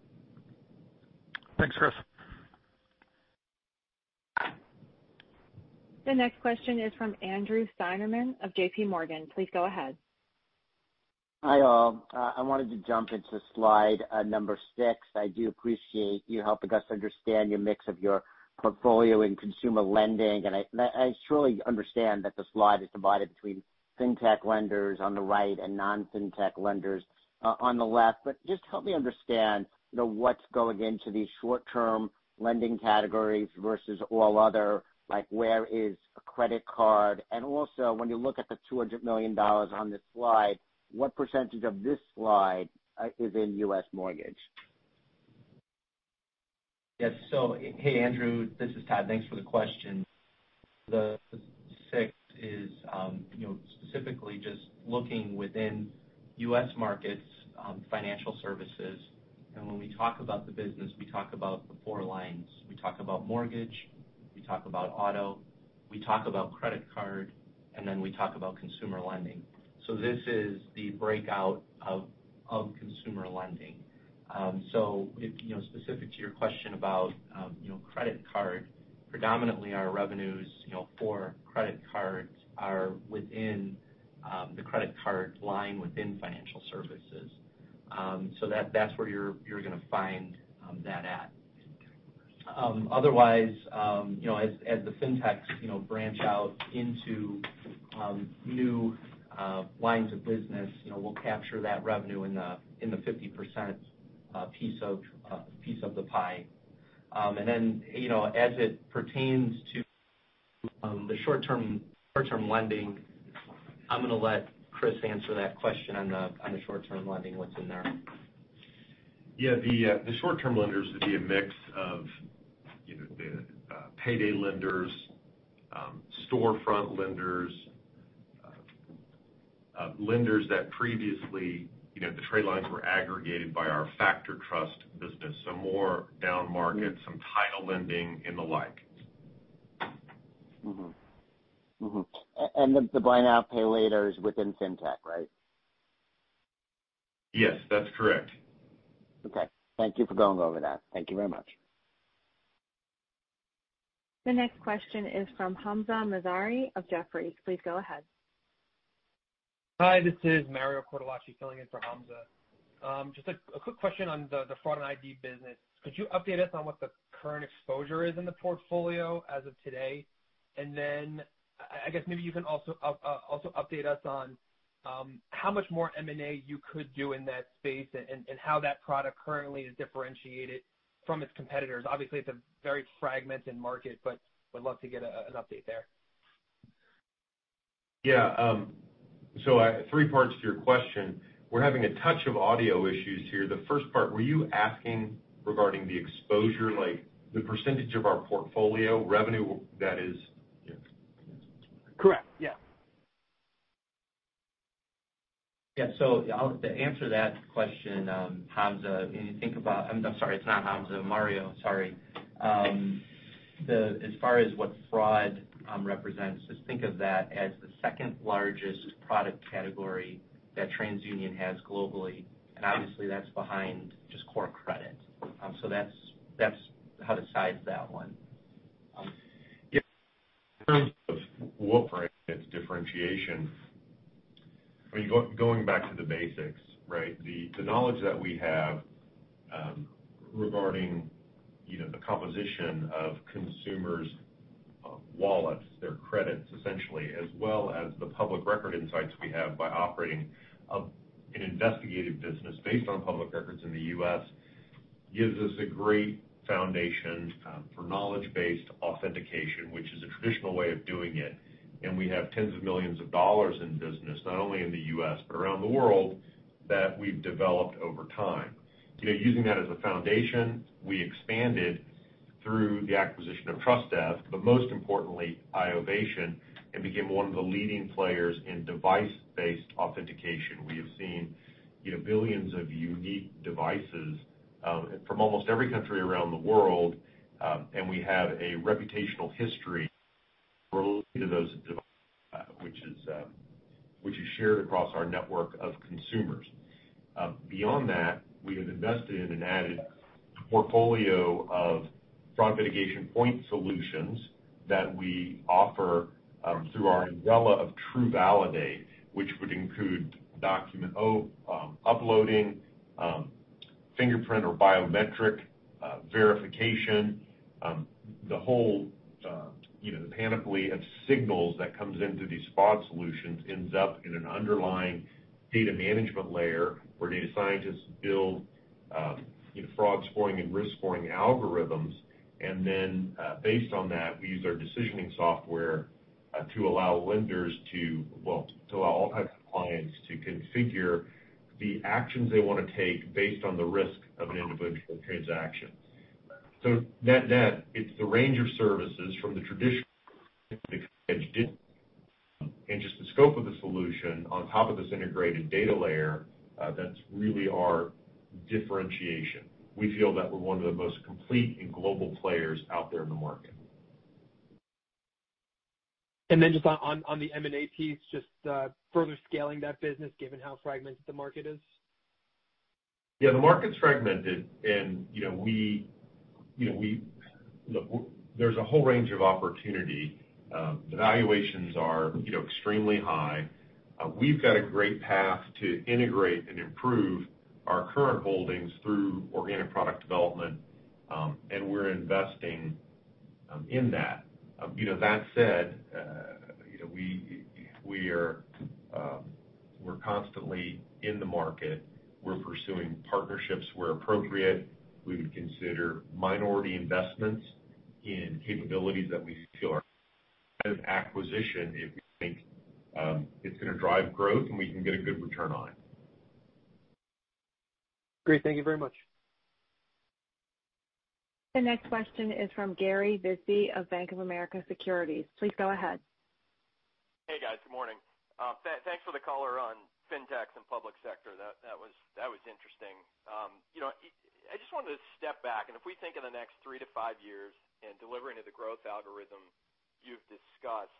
Thanks, Chris. The next question is from Andrew Steinerman of JPMorgan. Please go ahead. Hi, all. I wanted to jump into slide number six. I do appreciate you helping us understand your mix of your portfolio in consumer lending. I truly understand that the slide is divided between fintech lenders on the right and non-fintech lenders on the left. Just help me understand what's going into these short-term lending categories versus all other, like where is a credit card? Also when you look at the $200 million on this slide, what percentage of this slide is in U.S. mortgage? Yes. Hey, Andrew. This is Todd. Thanks for the question. The six is specifically just looking within U.S. markets, financial services. When we talk about the business, we talk about the four lines. We talk about mortgage, we talk about auto, we talk about credit card, we talk about consumer lending. This is the breakout of consumer lending. Specific to your question about credit card, predominantly our revenues for credit cards are within the credit card line within financial services. That's where you're going to find that at. Otherwise, as the fintechs branch out into new lines of business, we'll capture that revenue in the 50% piece of the pie. As it pertains to the short-term lending, I'm going to let Chris answer that question on the short-term lending, what's in there. The short-term lenders would be a mix of the payday lenders, storefront lenders that previously the trade lines were aggregated by our FactorTrust business, more down market, some title lending and the like. The buy now, pay later is within FinTech, right? Yes, that's correct. Okay. Thank you for going over that. Thank you very much. The next question is from Hamzah Mazari of Jefferies. Please go ahead. Hi, this is Mario Cortellacci filling in for Hamzah. Just a quick question on the fraud and ID business. Could you update us on what the current exposure is in the portfolio as of today? Then, I guess maybe you can also update us on how much more M&A you could do in that space and how that product currently is differentiated from its competitors. Obviously, it's a very fragmented market, but would love to get an update there. Yeah. Three parts to your question. We're having a touch of audio issues here. The first part, were you asking regarding the exposure, like the percentage of our portfolio revenue that is? Correct. Yeah. To answer that question, Hamzah, I'm sorry, it's not Hamzah. Mario, sorry. As far as what fraud represents, just think of that as the second largest product category that TransUnion has globally, and obviously that's behind just core credit. That's how to size that one. Yeah. In terms of what drives differentiation, going back to the basics, right? The knowledge that we have regarding the composition of consumers' wallets, their credits essentially, as well as the public record insights we have by operating an investigative business based on public records in the U.S. gives us a great foundation for knowledge-based authentication, which is a traditional way of doing it. We have tens of millions of dollars in business, not only in the U.S. but around the world, that we've developed over time. Using that as a foundation, we expanded through the acquisition of Trustev, but most importantly, iovation, and became one of the leading players in device-based authentication. We have seen billions of unique devices from almost every country around the world, and we have a reputational history related to those devices, which is shared across our network of consumers. Beyond that, we have invested in and added a portfolio of fraud mitigation point solutions that we offer through our umbrella of TruValidate, which would include document uploading, fingerprint or biometric verification. The whole panoply of signals that comes into these fraud solutions ends up in an underlying data management layer where data scientists build fraud scoring and risk scoring algorithms. Based on that, we use our decisioning software to allow lenders to well, to allow all types of clients to configure the actions they want to take based on the risk of an individual transaction. Net, it's the range of services from the traditional and just the scope of the solution on top of this integrated data layer, that's really our differentiation. We feel that we're one of the most complete and global players out there in the market. Just on the M&A piece, just further scaling that business, given how fragmented the market is? Yeah, the market's fragmented and there's a whole range of opportunity. The valuations are extremely high. We've got a great path to integrate and improve our current holdings through organic product development, and we're investing in that. That said, we're constantly in the market. We're pursuing partnerships where appropriate. We would consider minority investments in capabilities that we feel are, coz acquisition if we think it's going to drive growth and we can get a good return on it. Great. Thank you very much. The next question is from Gary Bisbee of Bank of America Securities. Please go ahead. Hey, guys. Good morning. Thanks for the color on fintechs and public sector. That was interesting. I just wanted to step back, if we think of the next three to five years and delivering to the growth algorithm you've discussed,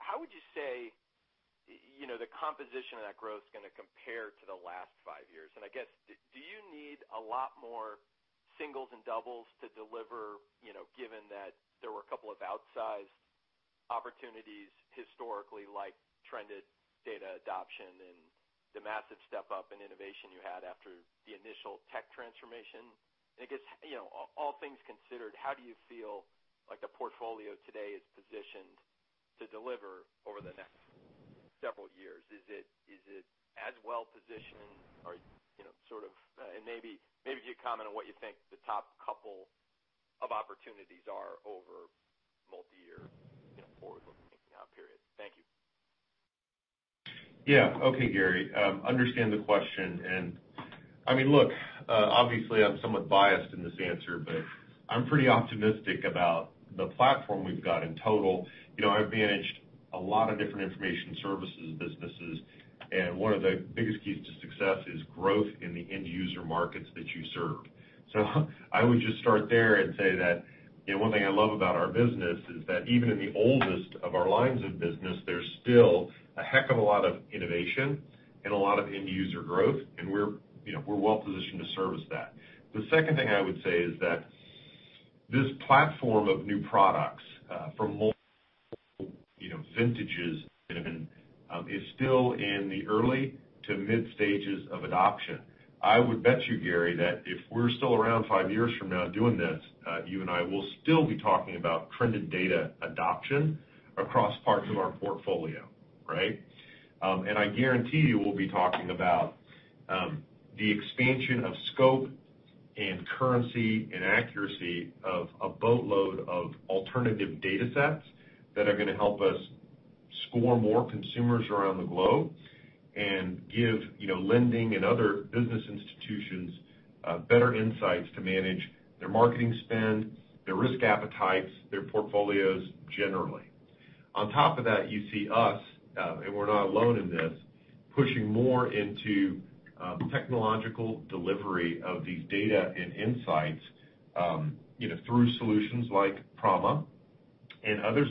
how would you say the composition of that growth is going to compare to the last five years? I guess, do you need a lot more singles and doubles to deliver, given that there were a couple of outsized opportunities historically, like trended data adoption and the massive step up in innovation you had after the initial tech transformation? I guess all things considered, how do you feel like the portfolio today is positioned to deliver over the next several years? Is it as well-positioned or maybe if you comment on what you think the top couple of opportunities are over multi-year forward-looking thinking out period. Thank you. Okay, Gary. Understand the question. I mean, look, obviously, I'm somewhat biased in this answer, but I'm pretty optimistic about the platform we've got in total. I've managed a lot of different information services businesses, and one of the biggest keys to success is growth in the end user markets that you serve. I would just start there and say that one thing I love about our business is that even in the oldest of our lines of business, there's still a heck of a lot of innovation and a lot of end user growth, and we're well-positioned to service that. The second thing I would say is that this platform of new products from multiple vintages is still in the early to mid-stages of adoption. I would bet you, Gary, that if we're still around five years from now doing this, you and I will still be talking about trended data adoption across parts of our portfolio, right? I guarantee you we'll be talking about the expansion of scope and currency and accuracy of a boatload of alternative data sets that are going to help us score more consumers around the globe and give lending and other business institutions better insights to manage their marketing spend, their risk appetites, their portfolios generally. On top of that, you see us, and we're not alone in this, pushing more into technological delivery of these data and insights through solutions like Prama and others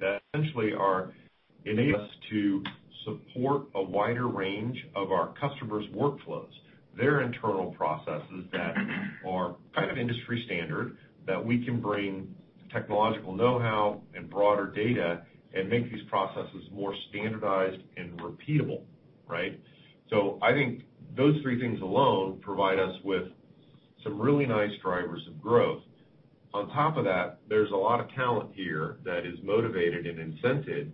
that essentially are enabling us to support a wider range of our customers' workflows, their internal processes that are kind of industry standard, that we can bring technological know-how and broader data and make these processes more standardized and repeatable. Right? I think those three things alone provide us with some really nice drivers of growth. On top of that, there's a lot of talent here that is motivated and incented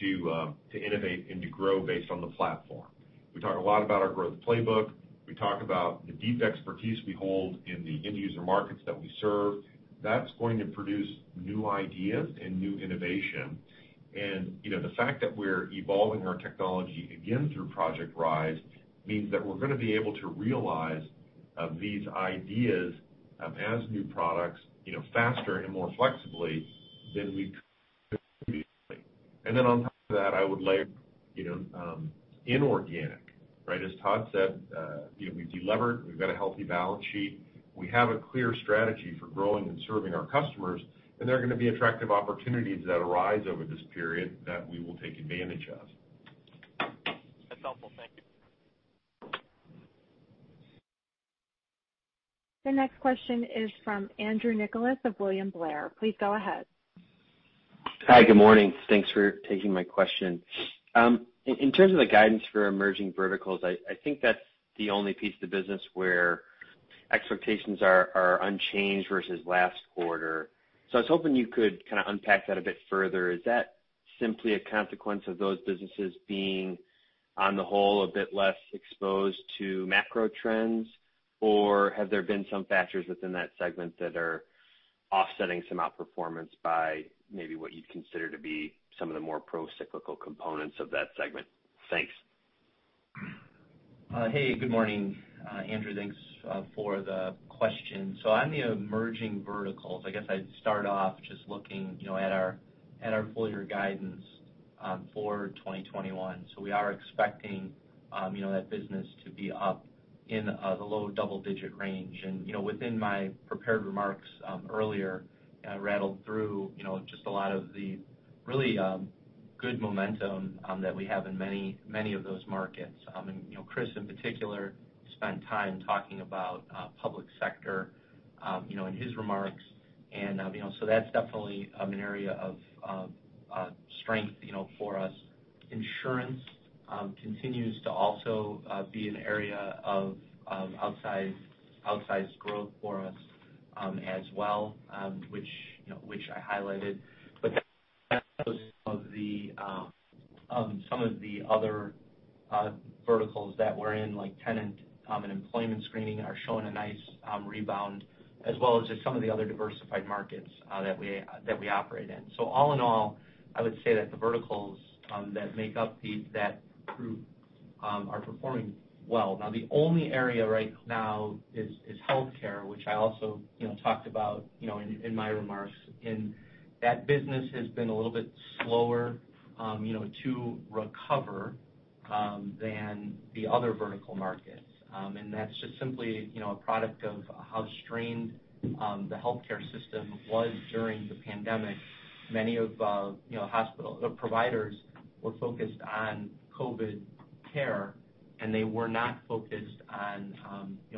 to innovate and to grow based on the platform. We talk a lot about our growth playbook. We talk about the deep expertise we hold in the end user markets that we serve. That's going to produce new ideas and new innovation. The fact that we're evolving our technology again through Project Rise means that we're going to be able to realize these ideas as new products faster and more flexibly than we could previously. Then on top of that, I would layer inorganic, right? As Todd said we've delevered. We've got a healthy balance sheet. We have a clear strategy for growing and serving our customers, and there are going to be attractive opportunities that arise over this period that we will take advantage of. That's helpful. Thank you. The next question is from Andrew Nicholas of William Blair. Please go ahead. Hi. Good morning. Thanks for taking my question. In terms of the guidance for Emerging Verticals, I think that's the only piece of the business where expectations are unchanged versus last quarter. I was hoping you could kind of unpack that a bit further. Is that simply a consequence of those businesses being, on the whole, a bit less exposed to macro trends? Have there been some factors within that segment that are offsetting some outperformance by maybe what you'd consider to be some of the more pro-cyclical components of that segment? Thanks. Hey, good morning, Andrew. Thanks for the question. On the Emerging Verticals, I guess I'd start off just looking at our full year guidance for 2021. We are expecting that business to be up in the low double-digit range. Within my prepared remarks earlier, I rattled through just a lot of the really good momentum that we have in many of those markets. Chris in particular, spent time talking about public sector in his remarks, and so that's definitely an area of strength for us. Insurance continues to also be an area of outsized growth for us as well which I highlighted. Some of the other verticals that we're in, like tenant and employment screening, are showing a nice rebound as well as some of the other diversified markets that we operate in. All in all, I would say that the verticals that make up that group are performing well. Now, the only area right now is healthcare, which I also talked about in my remarks. That business has been a little bit slower to recover than the other vertical markets. That's just simply a product of how strained the healthcare system was during the pandemic. Many of providers were focused on COVID care, and they were not focused on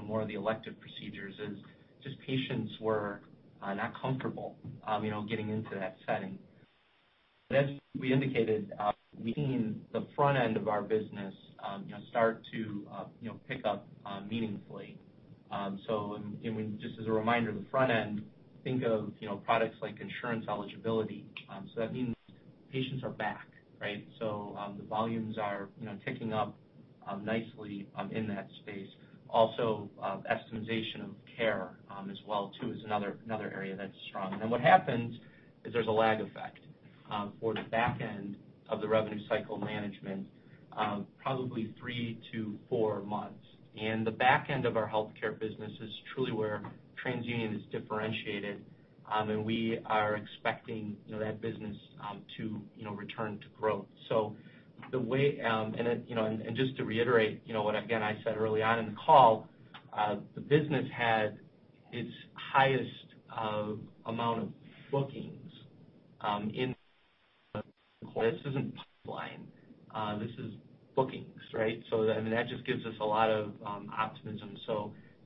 more of the elective procedures, as just patients were not comfortable getting into that setting. As we indicated, we've seen the front end of our business start to pick up meaningfully. Just as a reminder, the front end, think of products like insurance eligibility. That means patients are back, right? The volumes are ticking up nicely in that space. Estimation of care as well too is another area that's strong. What happens is there's a lag effect for the back end of the revenue cycle management, probably three to four months. The back end of our healthcare business is truly where TransUnion is differentiated, and we are expecting that business to return to growth. Just to reiterate what, again, I said early on in the call, the business had its highest amount of bookings in the quarter. This isn't pipeline, this is bookings, right? That just gives us a lot of optimism.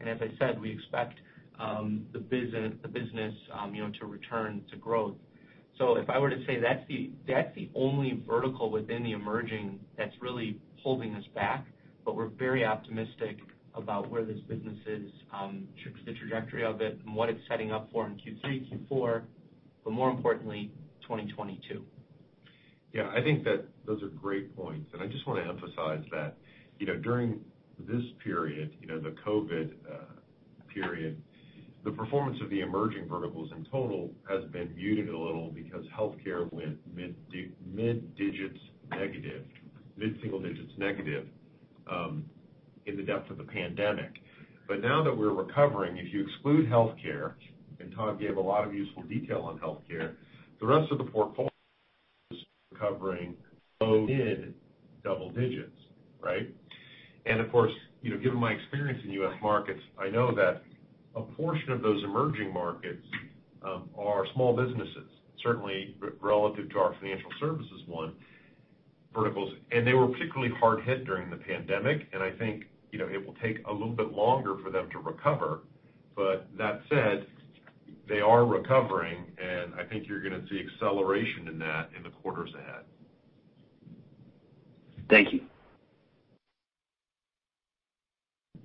As I said, we expect the business to return to growth. If I were to say that is the only vertical within the emerging that is really holding us back, but we are very optimistic about where this business is, the trajectory of it, and what it is setting up for in Q3, Q4, but more importantly, 2022. Yeah, I think that those are great points. I just want to emphasize that during this period, the COVID period, the performance of the Emerging Verticals in total has been muted a little because healthcare went mid-single digits negative in the depth of the pandemic. Now that we're recovering, if you exclude healthcare, and Todd gave a lot of useful detail on healthcare, the rest of the portfolio is recovering low-mid double digits, right? Of course, given my experience in U.S. markets, I know that a portion of those emerging markets are small businesses, certainly relative to our financial services one, verticals. They were particularly hard hit during the pandemic. I think it will take a little bit longer for them to recover. That said, they are recovering. I think you're going to see acceleration in that in the quarters ahead. Thank you.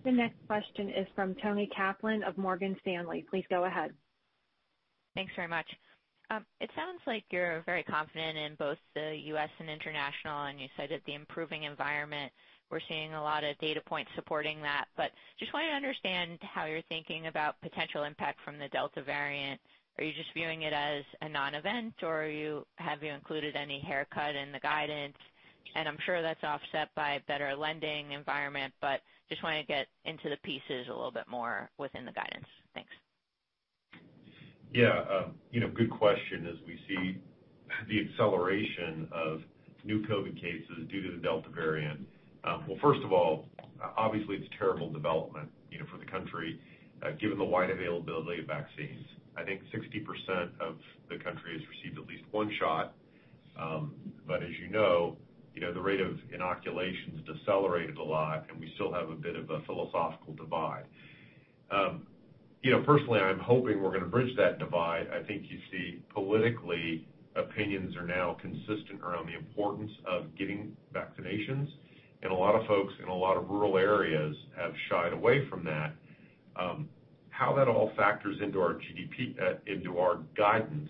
The next question is from Toni Kaplan of Morgan Stanley. Please go ahead. Thanks very much. It sounds like you're very confident in both the U.S. and international. You cited the improving environment. We're seeing a lot of data points supporting that. Just want to understand how you're thinking about potential impact from the Delta variant. Are you just viewing it as a non-event, or have you included any haircut in the guidance? I'm sure that's offset by a better lending environment. Just want to get into the pieces a little bit more within the guidance. Thanks. Yeah. Good question. As we see the acceleration of new COVID cases due to the Delta variant. Well, first of all, obviously, it's a terrible development for the country given the wide availability of vaccines. I think 60% of the country has received at least one shot. As you know, the rate of inoculations decelerated a lot, and we still have a bit of a philosophical divide. Personally, I'm hoping we're going to bridge that divide. I think you see politically opinions are now consistent around the importance of getting vaccinations, and a lot of folks in a lot of rural areas have shied away from that. How that all factors into our guidance,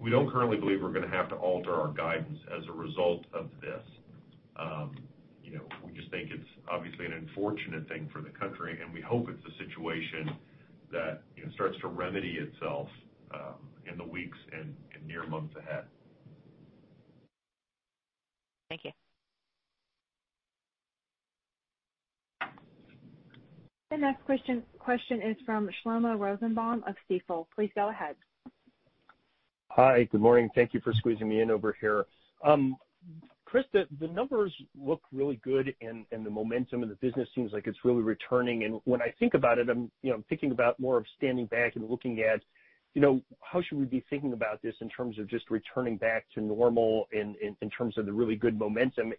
we don't currently believe we're going to have to alter our guidance as a result of this. We just think it's obviously an unfortunate thing for the country, and we hope it's a situation that starts to remedy itself in the weeks and near months ahead. Thank you. The next question is from Shlomo Rosenbaum of Stifel. Please go ahead. Hi. Good morning. Thank you for squeezing me in over here. Chris, the numbers look really good, and the momentum of the business seems like it's really returning. When I think about it, I'm thinking about more of standing back and looking at how should we be thinking about this in terms of just returning back to normal in terms of the really good momentum.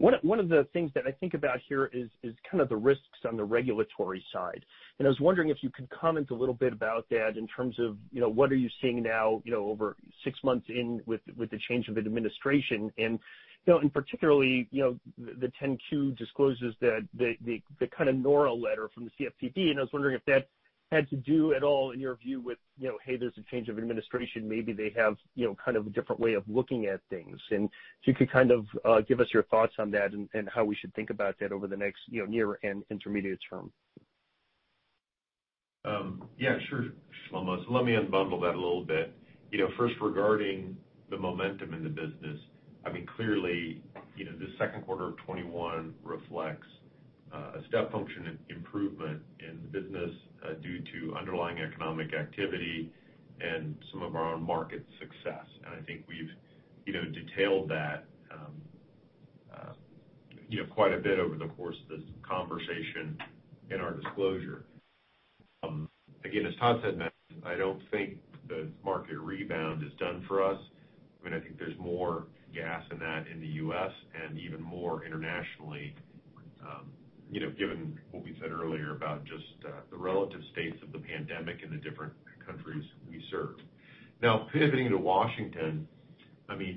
One of the things that I think about here is kind of the risks on the regulatory side. I was wondering if you could comment a little bit about that in terms of what are you seeing now over six months in with the change of administration and particularly, the 10-Q discloses the kind of NORA letter from the CFPB, and I was wondering if that had to do at all in your view with, "Hey, there's a change of administration." Maybe they have kind of a different way of looking at things. If you could kind of give us your thoughts on that and how we should think about that over the next near and intermediate term. Yeah, sure, Shlomo. Let me unbundle that a little bit. First, regarding the momentum in the business, clearly, the second quarter of 2021 reflects a step function improvement in the business due to underlying economic activity and some of our own market success. I think we've detailed that quite a bit over the course of this conversation in our disclosure. Again, as Todd said, I don't think the market rebound is done for us. I think there's more gas in that in the U.S. and even more internationally, given what we said earlier about just the relative states of the pandemic in the different countries we serve. Pivoting to Washington,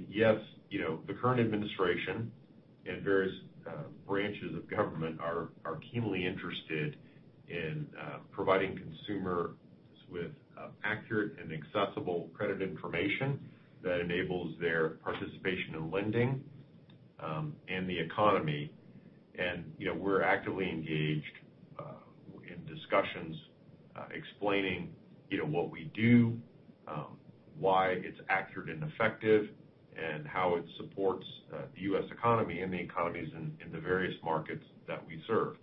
yes, the current administration and various branches of government are keenly interested in providing consumers with accurate and accessible credit information that enables their participation in lending and the economy. We're actively engaged in discussions explaining what we do, why it's accurate and effective, and how it supports the U.S. economy and the economies in the various markets that we serve.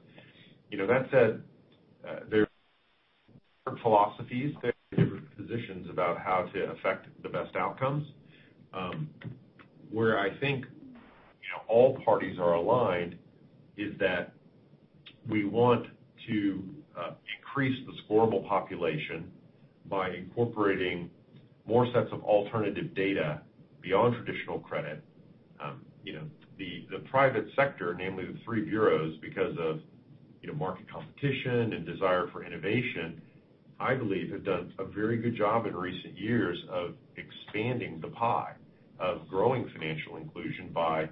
That said, there are different philosophies, there are different positions about how to affect the best outcomes. Where I think all parties are aligned is that we want to increase the scorable population by incorporating more sets of alternative data beyond traditional credit. The private sector, namely the three bureaus, because of market competition and desire for innovation, I believe have done a very good job in recent years of expanding the pie, of growing financial inclusion by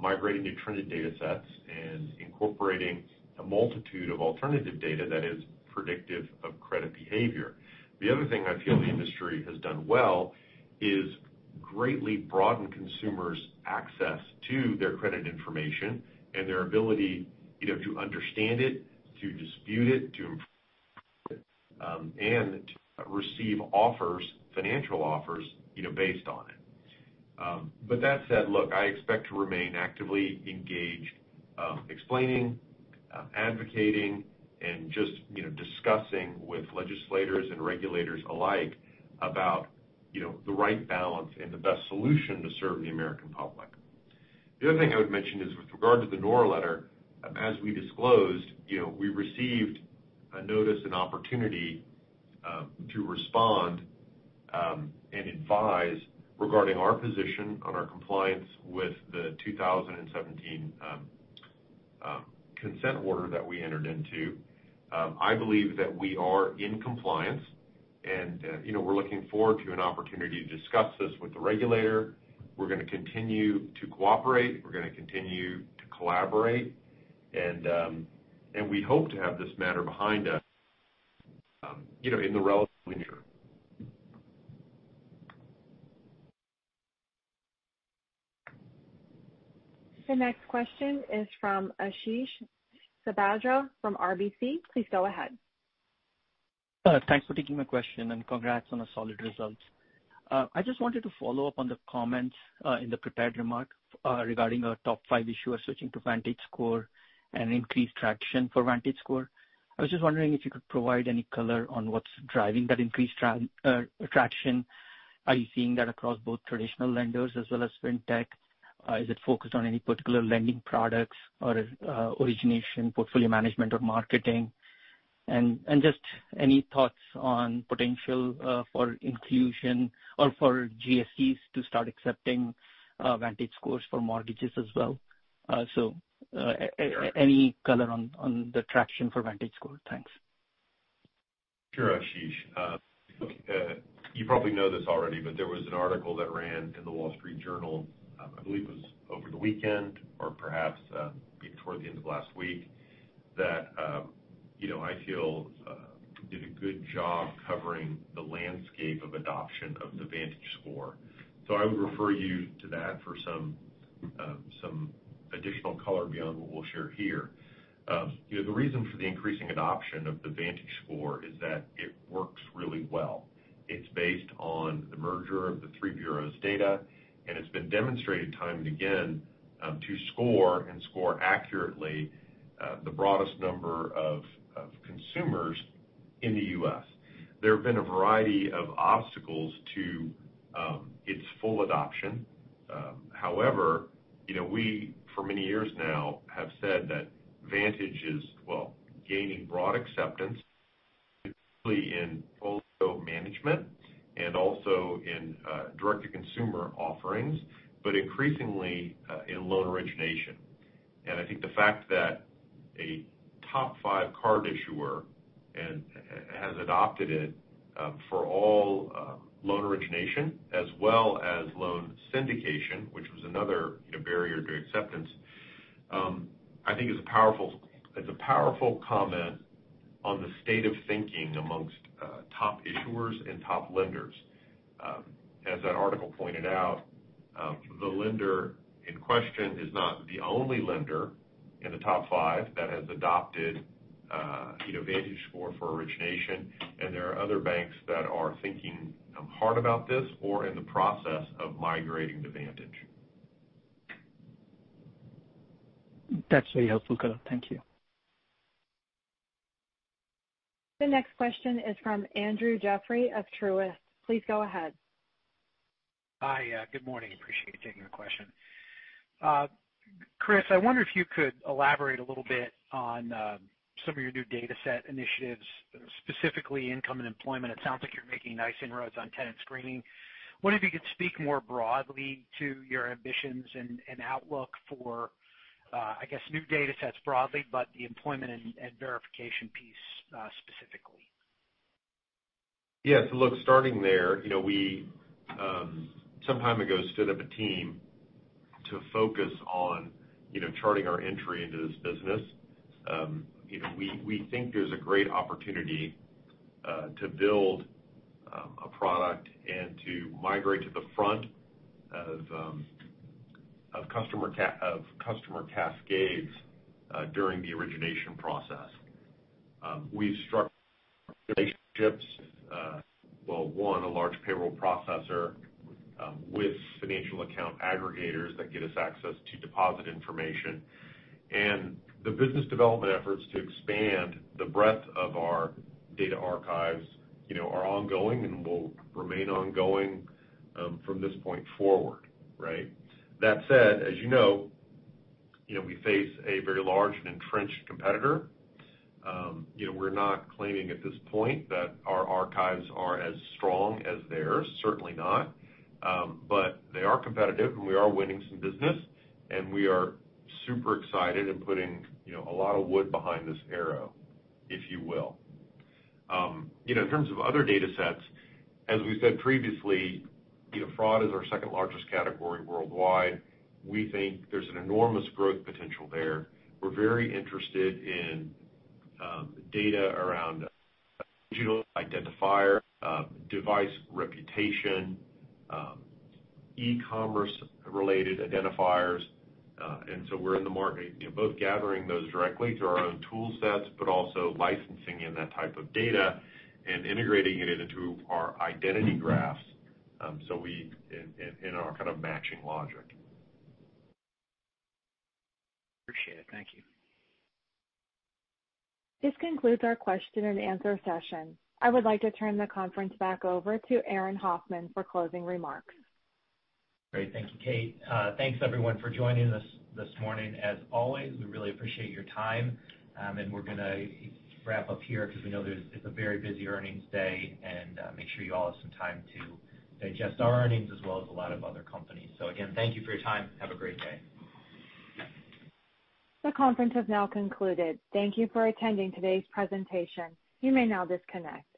migrating to trended datasets and incorporating a multitude of alternative data that is predictive of credit behavior. The other thing I feel the industry has done well is greatly broaden consumers' access to their credit information and their ability to understand it, to dispute it, to improve it, and to receive financial offers based on it. That said, look, I expect to remain actively engaged, explaining, advocating, and just discussing with legislators and regulators alike about the right balance and the best solution to serve the American public. The other thing I would mention is with regard to the NORA letter, as we disclosed, we received a notice and opportunity to respond and advise regarding our position on our compliance with the 2017 consent order that we entered into. I believe that we are in compliance, and we're looking forward to an opportunity to discuss this with the regulator. We're going to continue to cooperate, we're going to continue to collaborate, and we hope to have this matter behind us. The next question is from Ashish Sabadra from RBC. Please go ahead. Thanks for taking my question, and congrats on the solid results. I just wanted to follow up on the comments in the prepared remarks regarding our top five issuers switching to VantageScore and increased traction for VantageScore. I was just wondering if you could provide any color on what's driving that increased traction. Are you seeing that across both traditional lenders as well as fintech? Is it focused on any particular lending products or origination portfolio management or marketing? Just any thoughts on potential for inclusion or for GSEs to start accepting VantageScores for mortgages as well. Any color on the traction for VantageScore. Thanks. Sure, Ashish. You probably know this already. There was an article that ran in The Wall Street Journal, I believe it was over the weekend or perhaps toward the end of last week, that I feel did a good job covering the landscape of adoption of the VantageScore. I would refer you to that for some additional color beyond what we'll share here. The reason for the increasing adoption of the VantageScore is that it works really well. It's based on the merger of the three bureaus' data, and it's been demonstrated time and again to score, and score accurately, the broadest number of consumers in the U.S. There have been a variety of obstacles to its full adoption. However, we, for many years now, have said that VantageScore is, well, gaining broad acceptance, particularly in portfolio management and also in direct-to-consumer offerings, but increasingly, in loan origination. I think the fact that a top five card issuer has adopted it for all loan origination as well as loan syndication, which was another barrier to acceptance, I think is a powerful comment on the state of thinking amongst top issuers and top lenders. As that article pointed out, the lender in question is not the only lender in the top five that has adopted VantageScore for origination. There are other banks that are thinking hard about this or in the process of migrating to VantageScore. That's very helpful, Chris. Thank you. The next question is from Andrew Jeffrey of Truist. Please go ahead. Hi. Good morning. Appreciate you taking the question. Chris, I wonder if you could elaborate a little bit on some of your new dataset initiatives, specifically income and employment. It sounds like you're making nice inroads on tenant screening. Wonder if you could speak more broadly to your ambitions and outlook for, I guess, new datasets broadly, but the employment and verification piece specifically. Yeah. Look, starting there, we some time ago stood up a team to focus on charting our entry into this business. We think there's a great opportunity to build a product and to migrate to the front of customer cascades during the origination process. We've struck relationships, well, one, a large payroll processor with financial account aggregators that get us access to deposit information, and the business development efforts to expand the breadth of our data archives are ongoing and will remain ongoing from this point forward, right? That said, as you know, we face a very large and entrenched competitor. We're not claiming at this point that our archives are as strong as theirs, certainly not. They are competitive, and we are winning some business, and we are super excited and putting a lot of wood behind this arrow, if you will. In terms of other datasets, as we said previously, fraud is our second-largest category worldwide. We think there's an enormous growth potential there. We're very interested in data around digital identifier, device reputation, e-commerce-related identifiers. We're in the market both gathering those directly through our own tool sets, but also licensing in that type of data and integrating it into our identity graphs in our kind of matching logic. Appreciate it. Thank you. This concludes our question and answer session. I would like to turn the conference back over to Aaron Hoffman for closing remarks. Great. Thank you, Kate. Thanks, everyone, for joining us this morning. As always, we really appreciate your time. We're going to wrap up here because we know it's a very busy earnings day, and make sure you all have some time to digest our earnings as well as a lot of other companies. Again, thank you for your time. Have a great day. The conference has now concluded. Thank you for attending today's presentation. You may now disconnect.